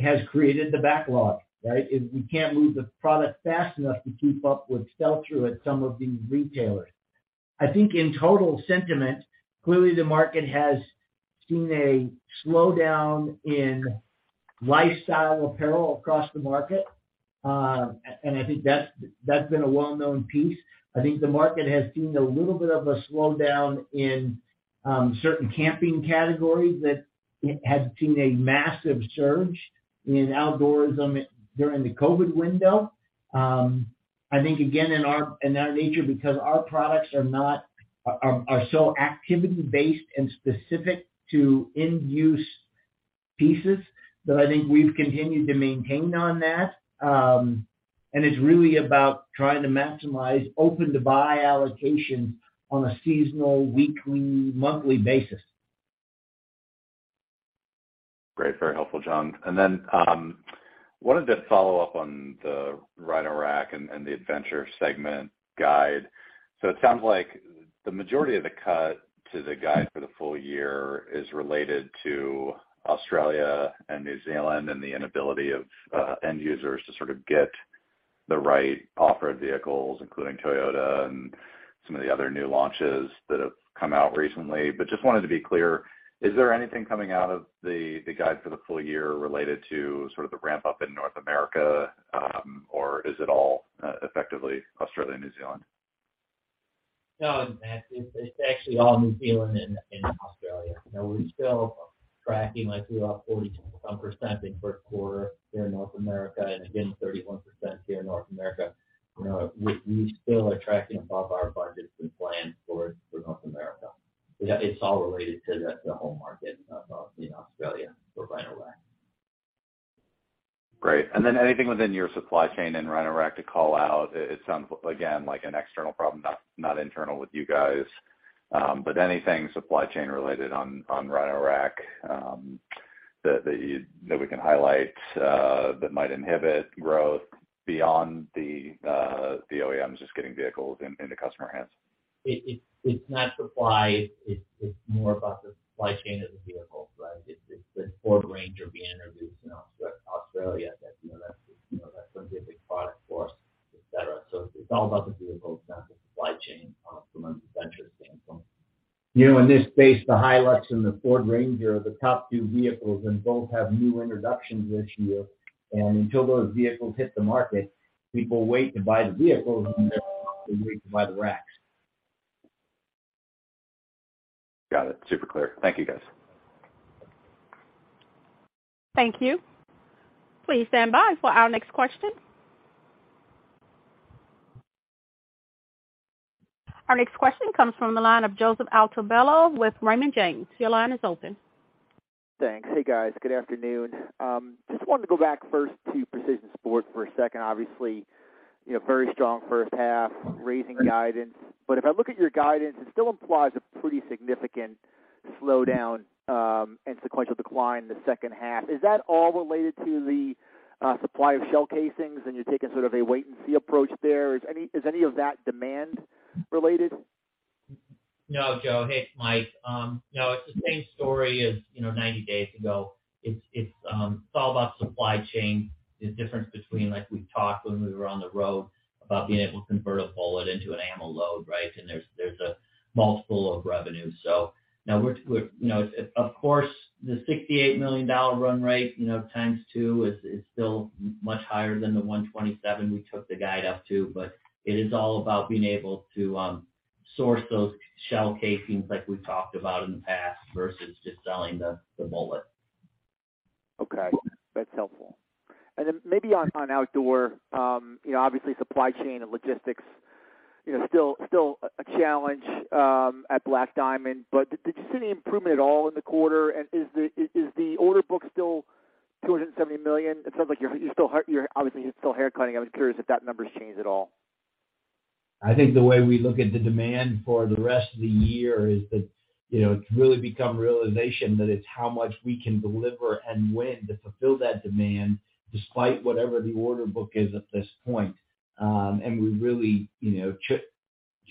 has created the backlog, right? We can't move the product fast enough to keep up with sell-through at some of these retailers. I think in total sentiment, clearly the market has seen a slowdown in lifestyle apparel across the market, and I think that's been a well-known piece. I think the market has seen a little bit of a slowdown in certain camping categories that had seen a massive surge in outdoorism during the COVID window. I think, again, in our nature, because our products are so activity-based and specific to end-use pieces that I think we've continued to maintain on that. It's really about trying to maximize open-to-buy allocation on a seasonal, weekly, monthly basis. Great. Very helpful, John. Wanted to follow up on the Rhino-Rack and the Adventure segment guide. It sounds like the majority of the cut to the guide for the full year is related to Australia and New Zealand and the inability of end users to sort of get the right off-road vehicles, including Toyota and some of the other new launches that have come out recently. Just wanted to be clear, is there anything coming out of the guide for the full year related to sort of the ramp-up in North America, or is it all effectively Australia and New Zealand? No, Matt, it's actually all New Zealand and Australia. You know, we're still tracking like we were up 40-some% in first quarter here in North America and again, 31% here in North America. You know, we still are tracking above our budgets and plans for North America. Yeah, it's all related to the home market of, you know, Australia for Rhino-Rack. Great. Then anything within your supply chain in Rhino-Rack to call out? It sounds, again, like an external problem, not internal with you guys. Anything supply chain related on Rhino-Rack that we can highlight that might inhibit growth beyond the OEMs just getting vehicles into customer hands? It's not supply, it's more about the supply chain of the vehicles, right? It's the Ford Ranger being introduced in Australia that, you know, that's going to be a big product for us, et cetera. It's all about the vehicles, not the supply chain, from an adventure standpoint. You know, in this space, the Hilux and the Ford Ranger are the top two vehicles, and both have new introductions this year. Until those vehicles hit the market, people wait to buy the vehicles, and they're waiting to buy the racks. Got it. Super clear. Thank you, guys. Thank you. Please stand by for our next question. Our next question comes from the line of Joseph Altobello with Raymond James. Your line is open. Thanks. Hey, guys, good afternoon. Just wanted to go back first to Precision Sports for a second. Obviously, you know, very strong first half, raising guidance. If I look at your guidance, it still implies a pretty significant slowdown, and sequential decline in the second half. Is that all related to the supply of shell casings, and you're taking sort of a wait and see approach there? Is any of that demand related? No, Joe. Hey, it's Mike. No, it's the same story as, you know, 90 days ago. It's all about supply chain, the difference between, like we talked when we were on the road about being able to convert a bullet into an ammo load, right? There's a multiple of revenue. So now we're, you know, of course, the $68 million run rate, you know, times two is still much higher than the $127 we took the guide up to, but it is all about being able to source those shell casings like we've talked about in the past versus just selling the bullet. Okay. That's helpful. Then maybe on outdoor, you know, obviously supply chain and logistics, you know, still a challenge at Black Diamond, but did you see any improvement at all in the quarter? Is the order book still $270 million? It sounds like you're obviously still haircut. I was curious if that number's changed at all. I think the way we look at the demand for the rest of the year is that, you know, it's really become realization that it's how much we can deliver and when to fulfill that demand despite whatever the order book is at this point. We really, you know,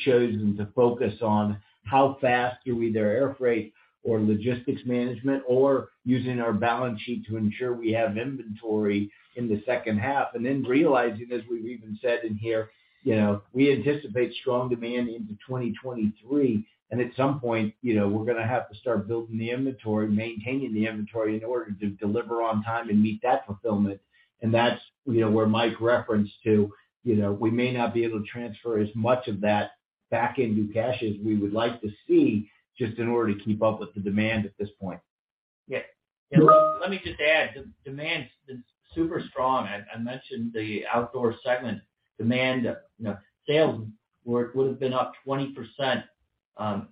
chosen to focus on how fast we are to airfreight or logistics management or using our balance sheet to ensure we have inventory in the second half, and then realizing, as we've even said in here, you know, we anticipate strong demand into 2023. At some point, you know, we're gonna have to start building the inventory, maintaining the inventory in order to deliver on time and meet that fulfillment. That's, you know, where Mike referenced to, you know, we may not be able to transfer as much of that back into cash as we would like to see just in order to keep up with the demand at this point. Yeah. Let me just add, the demand's been super strong. I mentioned the Outdoor segment demand, you know, sales would have been up 20%,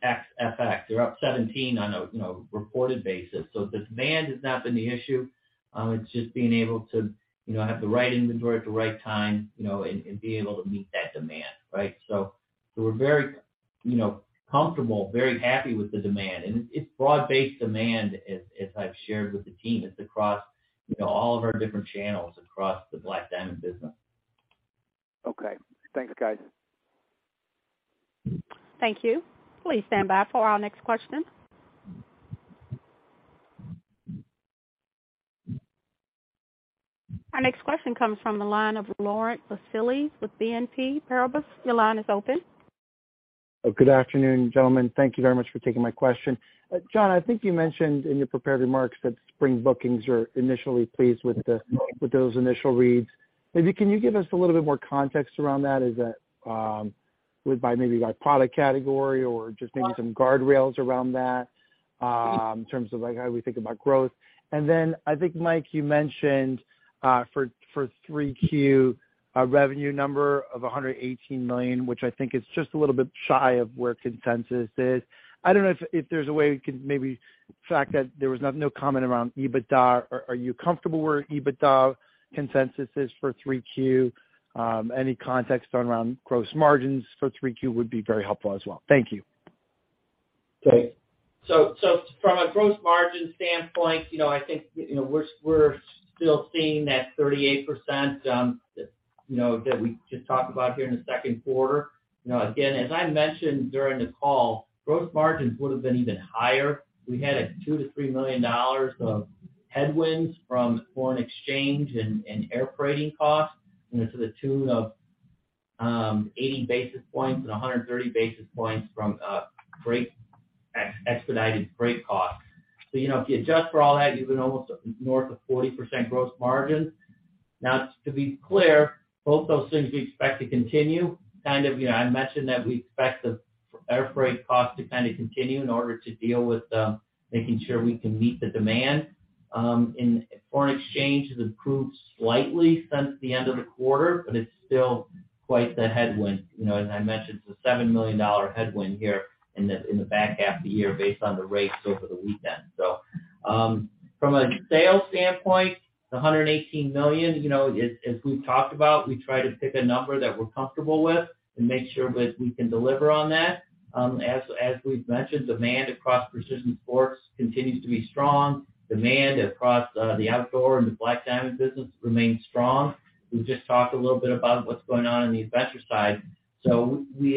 ex FX. They're up 17 on a reported basis. The demand has not been the issue. It's just being able to, you know, have the right inventory at the right time, you know, and being able to meet that demand, right? We're very, you know, comfortable, very happy with the demand. It's broad-based demand as I've shared with the team. It's across, you know, all of our different channels across the Black Diamond business. Okay. Thanks, guys. Thank you. Please stand by for our next question. Our next question comes from the line of Laurent Vasilescu with BNP Paribas. Your line is open. Good afternoon, gentlemen. Thank you very much for taking my question. John, I think you mentioned in your prepared remarks that spring bookings are initially pleased with those initial reads. Maybe can you give us a little bit more context around that? Is that maybe by product category or just maybe some guardrails around that in terms of, like, how we think about growth. Then I think, Mike, you mentioned for 3Q a revenue number of $118 million, which I think is just a little bit shy of where consensus is. I don't know if there's a way we could maybe. The fact that there was no comment around EBITDA. Are you comfortable where EBITDA consensus is for 3Q? Any context around gross margins for 3Q would be very helpful as well. Thank you. Great. From a gross margin standpoint, you know, I think, you know, we're still seeing that 38%, you know, that we just talked about here in the second quarter. You know, again, as I mentioned during the call, gross margins would have been even higher. We had a $2-$3 million of headwinds from foreign exchange and airfreighting costs, you know, to the tune of 80 basis points and 130 basis points from expedited freight costs. You know, if you adjust for all that, you've been almost north of 40% gross margin. Now, to be clear, both those things we expect to continue. Kind of, you know, I mentioned that we expect the air freight costs to kind of continue in order to deal with making sure we can meet the demand. Foreign exchange has improved slightly since the end of the quarter, but it's still quite the headwind. You know, as I mentioned, it's a $7 million headwind here in the back half of the year based on the rates over the weekend. From a sales standpoint, the $118 million, you know, as we've talked about, we try to pick a number that we're comfortable with and make sure that we can deliver on that. As we've mentioned, demand across Precision Sports continues to be strong. Demand across the outdoor and the Black Diamond business remains strong. We've just talked a little bit about what's going on in the investor side. We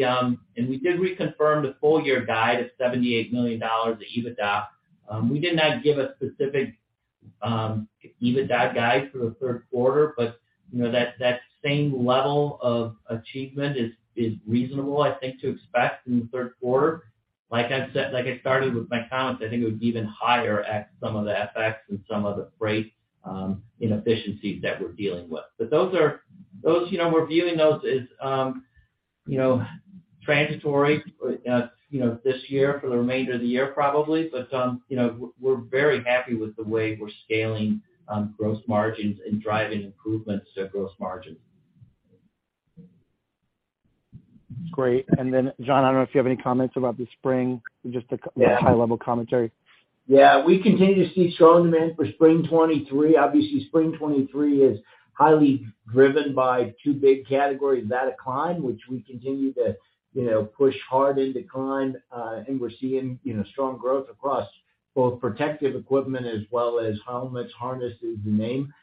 did reconfirm the full-year guide of $78 million of EBITDA. We did not give a specific EBITDA guide for the third quarter, but, you know, that same level of achievement is reasonable, I think, to expect in the third quarter. Like I started with my comments, I think it was even higher at some of the FX and some of the freight inefficiencies that we're dealing with. Those, you know, we're viewing those as, you know, transitory, you know, this year for the remainder of the year, probably. You know, we're very happy with the way we're scaling gross margins and driving improvements to gross margin. Great. John, I don't know if you have any comments about the spring, just a high level commentary. Yeah. We continue to see strong demand for spring 2023. Obviously, spring 2023 is highly driven by two big categories, that of Climb, which we continue to, you know, push hard in Climb. We're seeing, you know, strong growth across both protective equipment as well as helmets, harnesses, the name.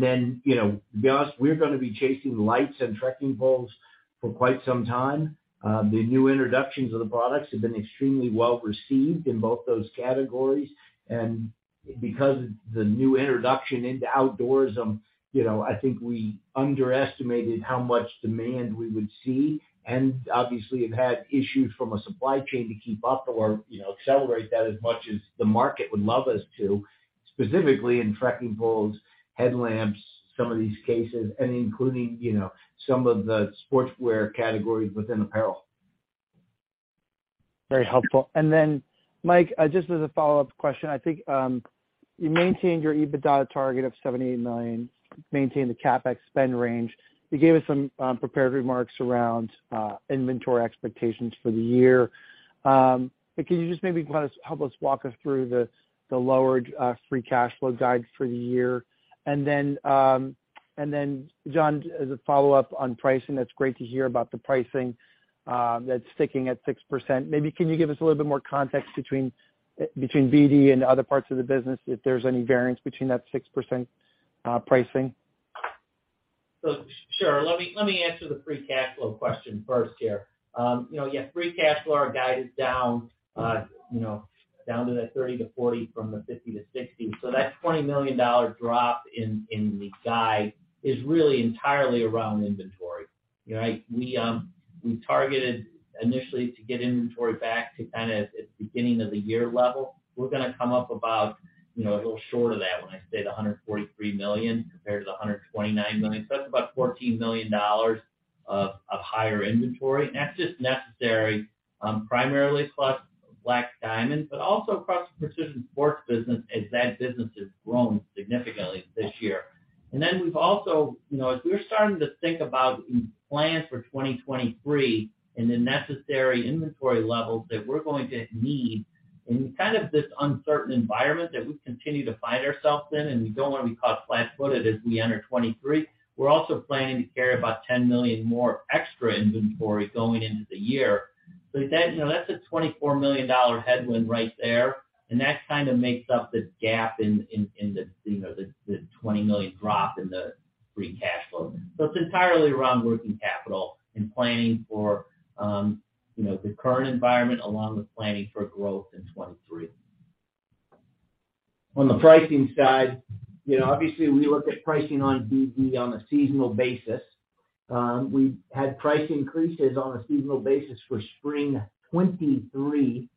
Then, you know, to be honest, we're gonna be chasing lights and trekking poles for quite some time. The new introductions of the products have been extremely well received in both those categories. Because of the new introduction into Outdoor, you know, I think we underestimated how much demand we would see. Obviously, have had issues from a supply chain to keep up or, you know, accelerate that as much as the market would love us to, specifically in trekking poles, headlamps, some of these cases, and including, you know, some of the sportswear categories within apparel. Very helpful. Mike, just as a follow-up question, I think you maintained your EBITDA target of $78 million, maintained the CapEx spend range. You gave us some prepared remarks around inventory expectations for the year. But can you just maybe kind of help us walk us through the lower free cash flow guide for the year? John, as a follow-up on pricing, that's great to hear about the pricing that's sticking at 6%. Maybe can you give us a little bit more context between BD and other parts of the business, if there's any variance between that 6% pricing? Sure. Let me answer the free cash flow question first here. You know, yeah, free cash flow, our guide is down, you know, down to the $30-$40 million from the $50-$60 million. That $20 million drop in the guide is really entirely around inventory. You know, we targeted initially to get inventory back to kind of its beginning of the year level. We're gonna come up about, you know, a little short of that when I state $143 million compared to the $129 million. That's about $14 million of higher inventory. That's just necessary, primarily across Black Diamond, but also across the Precision Sports business as that business has grown significantly this year. We've also... You know, as we were starting to think about these plans for 2023 and the necessary inventory levels that we're going to need in kind of this uncertain environment that we continue to find ourselves in, and we don't wanna be caught flat-footed as we enter 2023, we're also planning to carry about $10 million more extra inventory going into the year. So that, you know, that's a $24 million headwind right there, and that kind of makes up the gap in the, you know, the $20 million drop in the free cash flow. So it's entirely around working capital and planning for, you know, the current environment along with planning for growth in 2023. On the pricing side, you know, obviously we looked at pricing on BD on a seasonal basis. We had price increases on a seasonal basis for spring 2023.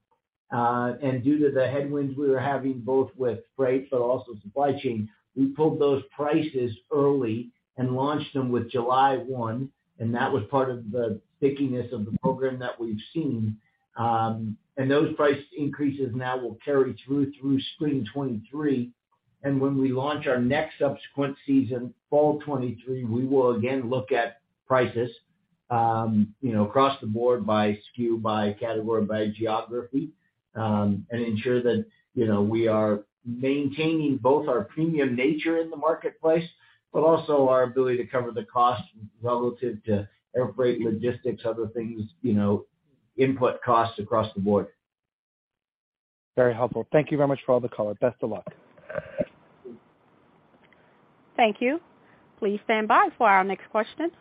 Due to the headwinds we were having both with freight but also supply chain, we pulled those prices early and launched them with July 1, and that was part of the stickiness of the program that we've seen. Those price increases now will carry through spring 2023. When we launch our next subsequent season, fall 2023, we will again look at prices, you know, across the board by SKU, by category, by geography, and ensure that, you know, we are maintaining both our premium nature in the marketplace, but also our ability to cover the cost relative to airfreight, logistics, other things, you know, input costs across the board. Very helpful. Thank you very much for all the color. Best of luck. Thank you. Please stand by for our next question.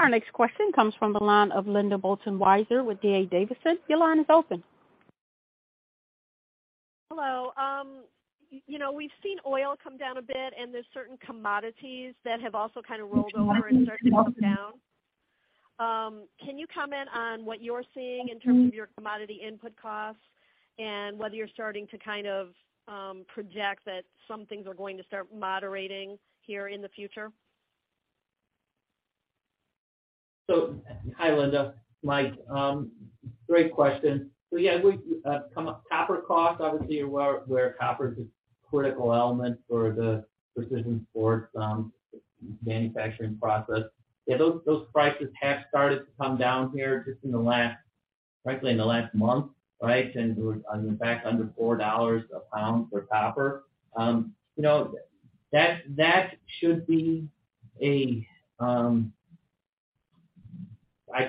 Our next question comes from the line of Linda Bolton-Weiser with D.A. Davidson. Your line is open. Hello. You know, we've seen oil come down a bit, and there's certain commodities that have also kind of rolled over and started to come down. Can you comment on what you're seeing in terms of your commodity input costs and whether you're starting to kind of project that some things are going to start moderating here in the future? Hi, Linda. Mike. Great question. Yeah, copper costs obviously are where copper is a critical element for the precision sports manufacturing process. Yeah, those prices have started to come down here in the last month, right? We're, I mean, back under $4 a pound for copper. You know, that should be. I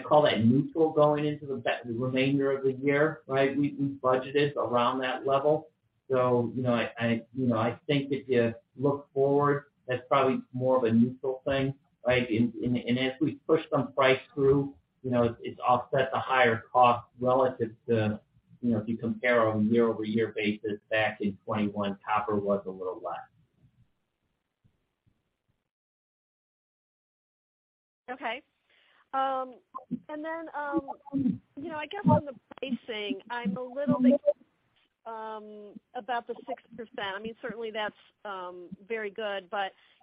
call that neutral going into the remainder of the year, right? We budgeted around that level. You know, I think if you look forward, that's probably more of a neutral thing, right? As we push some price through, you know, it's offset the higher cost relative to, you know, if you compare on a year-over-year basis, back in 2021, copper was a little less. Okay. You know, I guess on the pricing, I'm a little bit about the 6%. I mean, certainly that's very good.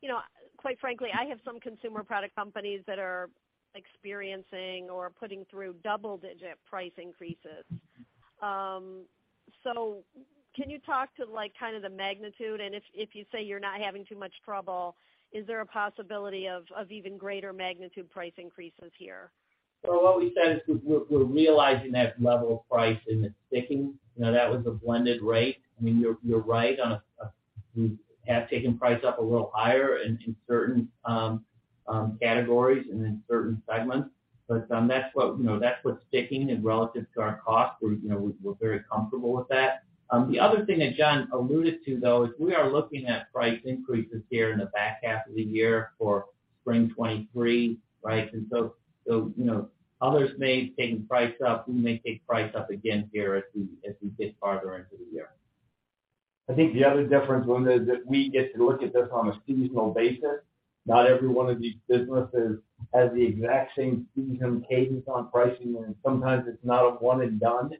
You know, quite frankly, I have some consumer product companies that are experiencing or putting through double-digit price increases. Can you talk to, like, kind of the magnitude and if you say you're not having too much trouble, is there a possibility of even greater magnitude price increases here? What we said is we're realizing that level of price and it's sticking. You know, that was a blended rate. I mean, you're right. We have taken price up a little higher in certain categories and in certain segments. But that's what, you know, that's what's sticking and relative to our cost. We're, you know, we're very comfortable with that. The other thing that John alluded to, though, is we are looking at price increases here in the back half of the year for spring 2023, right? You know, others may have taken price up. We may take price up again here as we get farther into the year. I think the other difference, Linda, is that we get to look at this on a seasonal basis. Not every one of these businesses has the exact same season cadence on pricing, and sometimes it's not a one and done.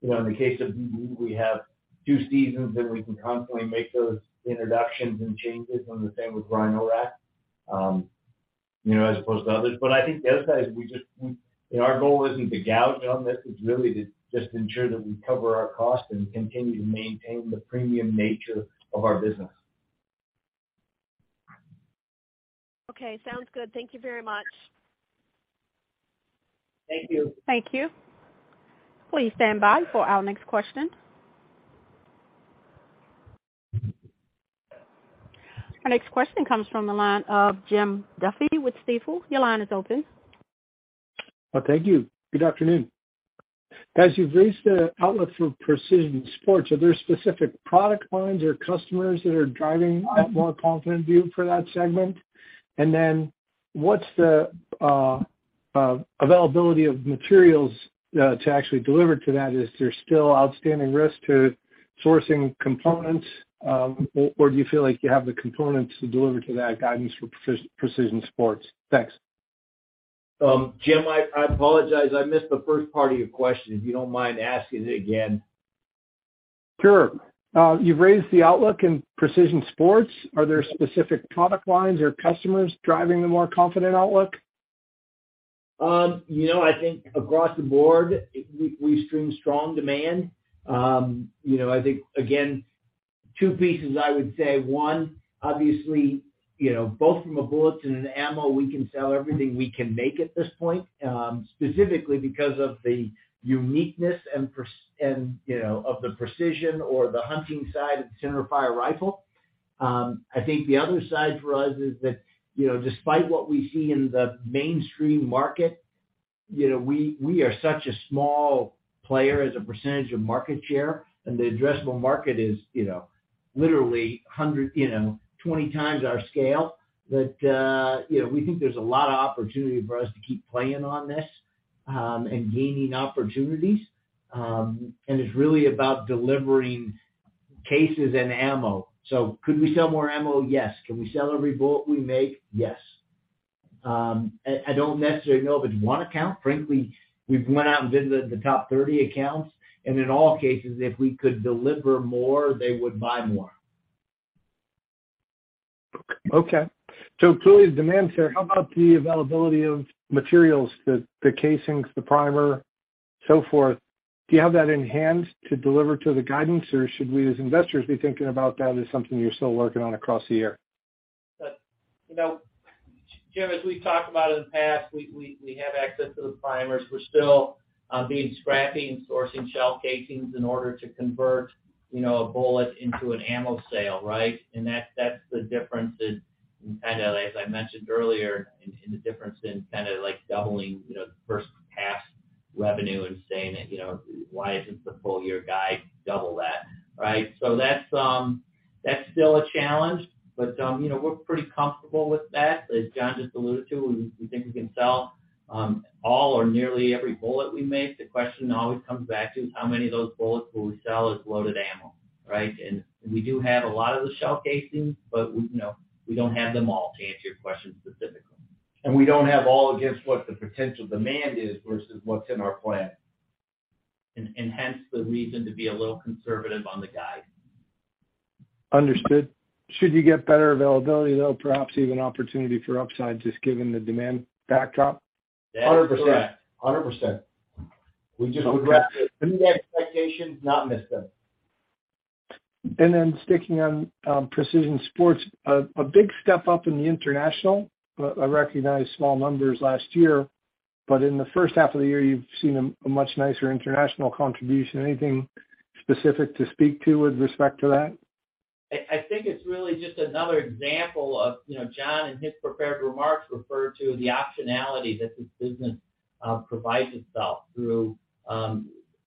You know, in the case of BD, we have two seasons, and we can constantly make those introductions and changes, and the same with Rhino-Rack, you know, as opposed to others. I think the other side is we just you know, our goal isn't to gouge on this. It's really to just ensure that we cover our costs and continue to maintain the premium nature of our business. Okay, sounds good. Thank you very much. Thank you. Thank you. Please stand by for our next question. Our next question comes from the line of Jim Duffy with Stifel. Your line is open. Oh, thank you. Good afternoon. As you've raised the outlook for precision sports, are there specific product lines or customers that are driving a more confident view for that segment? What's the availability of materials to actually deliver to that? Is there still outstanding risk to sourcing components, or do you feel like you have the components to deliver to that guidance for precision sports? Thanks. Jim, I apologize. I missed the first part of your question. If you don't mind asking it again. Sure. You've raised the outlook in precision sports. Are there specific product lines or customers driving the more confident outlook? You know, I think across the board, we see strong demand. You know, I think again, two pieces, I would say. One, obviously, you know, both from a bullets and ammo, we can sell everything we can make at this point, specifically because of the uniqueness and, you know, of the precision or the hunting side of the centerfire rifle. I think the other side for us is that, you know, despite what we see in the mainstream market, you know, we are such a small player as a percentage of market share, and the addressable market is, you know, literally 120 times our scale that, you know, we think there's a lot of opportunity for us to keep playing on this, gaining opportunities. It's really about delivering cases and ammo. Could we sell more ammo? Yes. Can we sell every bullet we make? Yes. I don't necessarily know if it's one account. Frankly, we've went out and visited the top 30 accounts, and in all cases, if we could deliver more, they would buy more. Okay. Clearly it's demand share. How about the availability of materials, the casings, the primer, so forth? Do you have that in hand to deliver to the guidance, or should we as investors be thinking about that as something you're still working on across the year? You know, Jim, as we've talked about in the past, we have access to the primers. We're still being scrappy and sourcing shell casings in order to convert, you know, a bullet into an ammo sale, right? That's the difference in kind of, as I mentioned earlier, in the difference in kind of like doubling, you know, first half revenue and saying that, you know, why isn't the full year guide double that, right? That's still a challenge. You know, we're pretty comfortable with that. As John just alluded to, we think we can sell all or nearly every bullet we make. The question always comes back to is how many of those bullets will we sell as loaded ammo, right? We do have a lot of the shell casings, but we, you know, we don't have them all, to answer your question specifically. We don't have all against what the potential demand is versus what's in our plan. Hence the reason to be a little conservative on the guide. Understood. Should you get better availability though, perhaps even opportunity for upside, just given the demand backdrop? 100%. That's correct. 100%. We just would rather meet expectations, not miss them. Sticking on Precision Sports, a big step-up in the international. I recognize small numbers last year. In the first half of the year, you've seen a much nicer international contribution. Anything specific to speak to with respect to that? I think it's really just another example of, you know, John, in his prepared remarks, referred to the optionality that this business provides itself through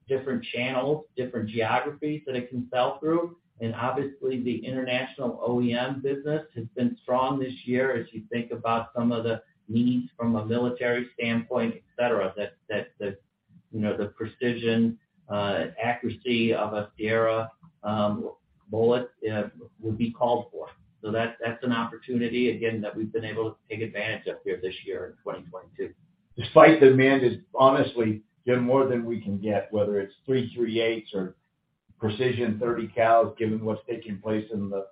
different channels, different geographies that it can sell through. Obviously, the international OEM business has been strong this year as you think about some of the needs from a military standpoint, et cetera, that the, you know, the precision accuracy of a Sierra bullet would be called for. That's an opportunity, again, that we've been able to take advantage of here this year in 2022. Despite demand is honestly getting more than we can get, whether it's .338s or Precision .30 cals, given what's taking place in the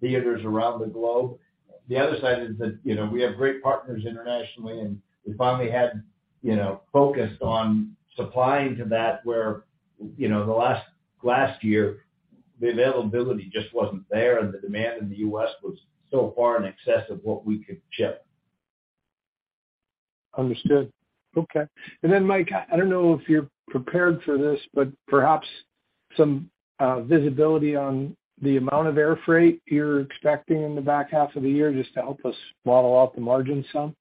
theaters around the globe. The other side is that, you know, we have great partners internationally, and we finally had, you know, focused on supplying to that where, you know, the last year, the availability just wasn't there, and the demand in the U.S. was so far in excess of what we could ship. Understood. Okay. Mike, I don't know if you're prepared for this, but perhaps some visibility on the amount of air freight you're expecting in the back half of the year, just to help us model out the margin some?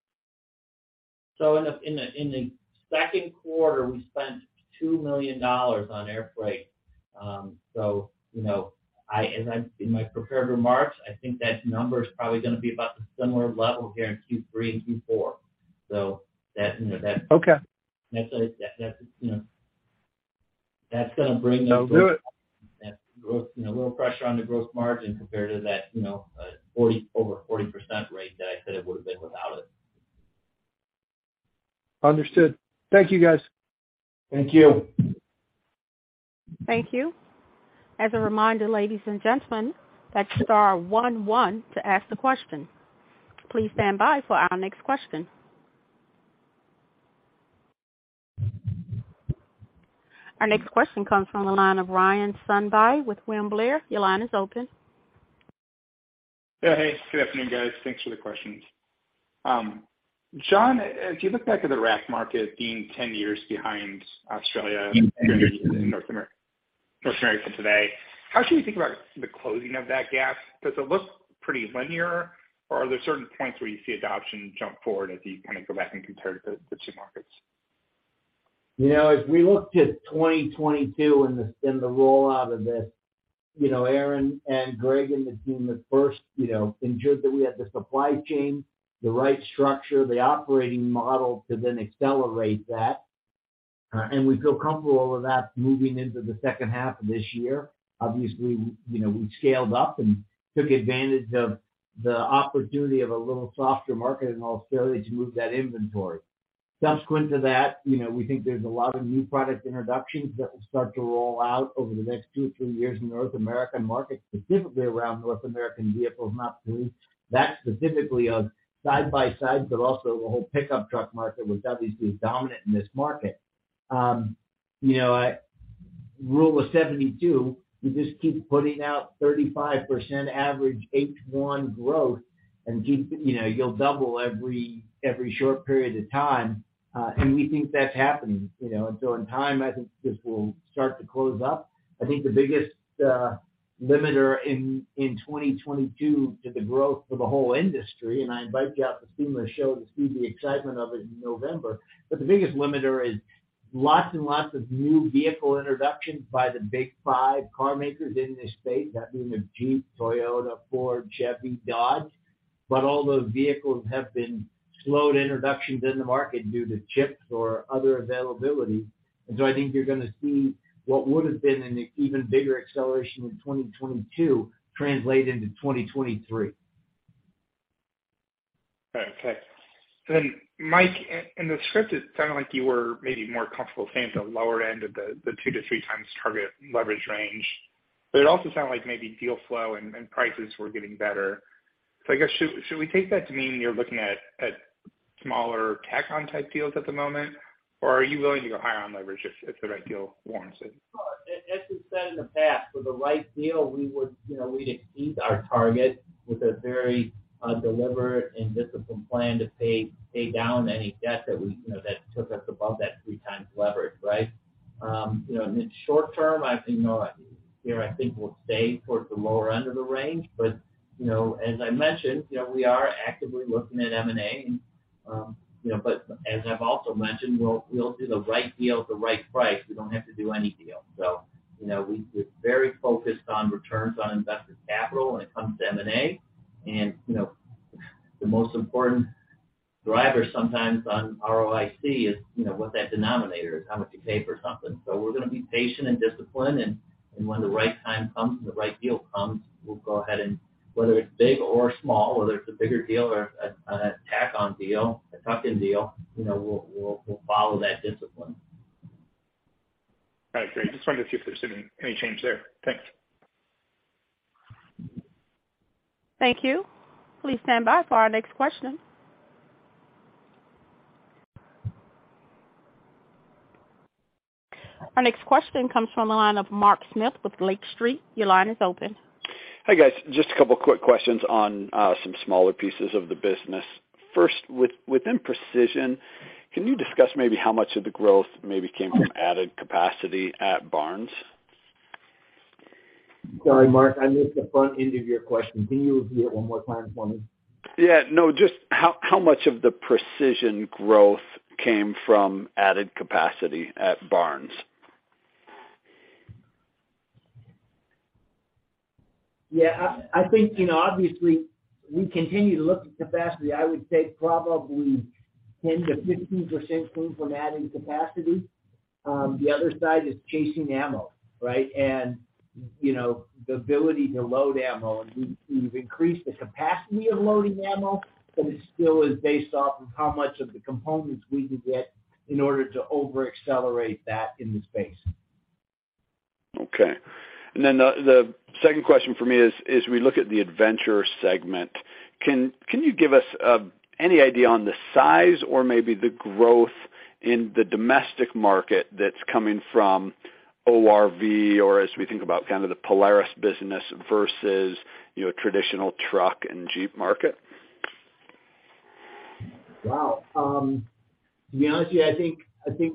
In the second quarter, we spent $2 million on air freight. You know, in my prepared remarks, I think that number is probably gonna be about the similar level here in Q3 and Q4. Okay. You know, that's gonna bring. That'll do it. That growth, you know, a little pressure on the growth margin compared to that, you know, over 40% rate that I said it would've been without it. Understood. Thank you, guys. Thank you. Thank you. As a reminder, ladies and gentlemen, that's star one one to ask the question. Please stand by for our next question. Our next question comes from the line of Ryan Sundby with William Blair. Your line is open. Good afternoon, guys. Thanks for the questions. John, as you look back at the rack market being 10 years behind Australia and 100 years behind North America today, how should we think about the closing of that gap? Does it look pretty linear, or are there certain points where you see adoption jump forward as you kind of go back and compare the two markets? You know, as we looked at 2022 and the rollout of this, you know, Aaron and Greg and the team that first, you know, ensured that we had the supply chain, the right structure, the operating model to then accelerate that, and we feel comfortable with that moving into the second half of this year. Obviously, you know, we've scaled up and took advantage of the opportunity of a little softer market in Australia to move that inventory. Subsequent to that, you know, we think there's a lot of new product introductions that will start to roll out over the next two to three years in the North American market, specifically around North American vehicles. That's specifically a side-by-side, but also the whole pickup truck market, which obviously is dominant in this market. You know, rule of 72, you just keep putting out 35% average H1 growth and keep, you know, you'll double every short period of time, and we think that's happening, you know. In time, I think this will start to close up. I think the biggest limiter in 2022 to the growth for the whole industry, and I invite you out to SEMA Show to see the excitement of it in November, but the biggest limiter is lots and lots of new vehicle introductions by the big five car makers in this space, that being the Jeep, Toyota, Ford, Chevrolet, Dodge. All those vehicles have been slowed introductions in the market due to chips or other availability. I think you're gonna see what would have been an even bigger acceleration in 2022 translate into 2023. Okay. Mike, in the script, it sounded like you were maybe more comfortable staying at the lower end of the 2-3 times target leverage range, but it also sounded like maybe deal flow and prices were getting better. I guess should we take that to mean you're looking at smaller tack-on type deals at the moment? Are you willing to go higher on leverage if the right deal warrants it? As we've said in the past, for the right deal, we would, you know, we'd exceed our target with a very deliberate and disciplined plan to pay down any debt that we, you know, that took us above that 3x leverage, right? In the short term, I think, here, I think we'll stay towards the lower end of the range. As I mentioned, you know, we are actively looking at M&A. As I've also mentioned, we'll do the right deal at the right price. We don't have to do any deal. You know, we're very focused on returns on invested capital when it comes to M&A. You know, the most important driver sometimes on ROIC is, what that denominator is, how much you pay for something. We're gonna be patient and disciplined and when the right time comes and the right deal comes, we'll go ahead and whether it's big or small, whether it's a bigger deal or a tuck-in deal, you know, we'll follow that discipline. All right, great. Just wondering if there's been any change there. Thanks. Thank you. Please stand by for our next question. Our next question comes from the line of Mark Smith with Lake Street. Your line is open. Hi, guys. Just a couple of quick questions on some smaller pieces of the business. First, within precision, can you discuss maybe how much of the growth maybe came from added capacity at Barnes? Sorry, Mark, I missed the front end of your question. Can you repeat it one more time for me? Yeah, no, just how much of the precision growth came from added capacity at Barnes? Yeah, I think, you know, obviously we continue to look at capacity. I would say probably 10%-15% came from adding capacity. The other side is chasing ammo, right? You know, the ability to load ammo. We've increased the capacity of loading ammo, but it still is based off of how much of the components we can get in order to over-accelerate that in the space. Okay. The second question from me is, as we look at the Adventure segment, can you give us any idea on the size or maybe the growth in the domestic market that's coming from ORV or as we think about kind of the Polaris business versus, you know, traditional truck and Jeep market? Wow. To be honest with you, I think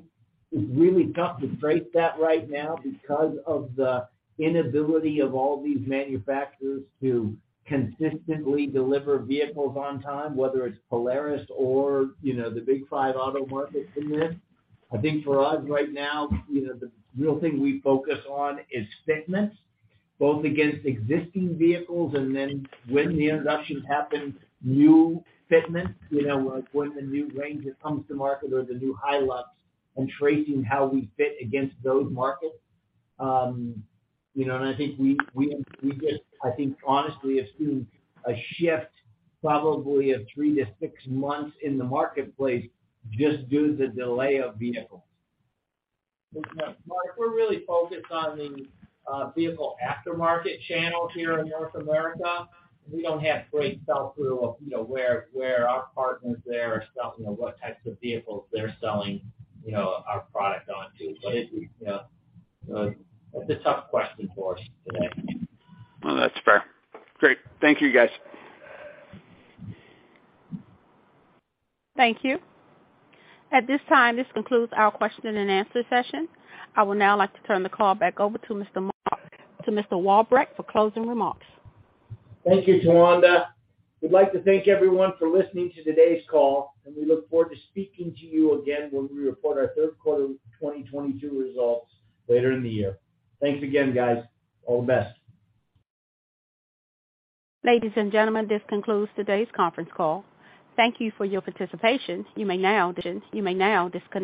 it's really tough to break that right now because of the inability of all these manufacturers to consistently deliver vehicles on time, whether it's Polaris or, you know, the big five automakers in this. I think for us right now, you know, the real thing we focus on is fitment, both against existing vehicles and then when the introductions happen, new fitment. You know, like, when the new Ranger comes to market or the new Hilux, and tracing how we fit against those markets. You know, I think we honestly have seen a shift probably of 3-6 months in the marketplace just due to the delay of vehicles. Mark, we're really focused on the vehicle aftermarket channel here in North America. We don't have great sell-through of, you know, where our partners there are selling or what types of vehicles they're selling our product onto. It's a tough question for us today. Well, that's fair. Great. Thank you, guys. Thank you. At this time, this concludes our question and answer session. I would now like to turn the call back over to Mr. Walbrecht for closing remarks. Thank you, Tawanda. We'd like to thank everyone for listening to today's call, and we look forward to speaking to you again when we report our third quarter 2022 results later in the year. Thanks again, guys. All the best. Ladies and gentlemen, this concludes today's conference call. Thank you for your participation. You may now disconnect.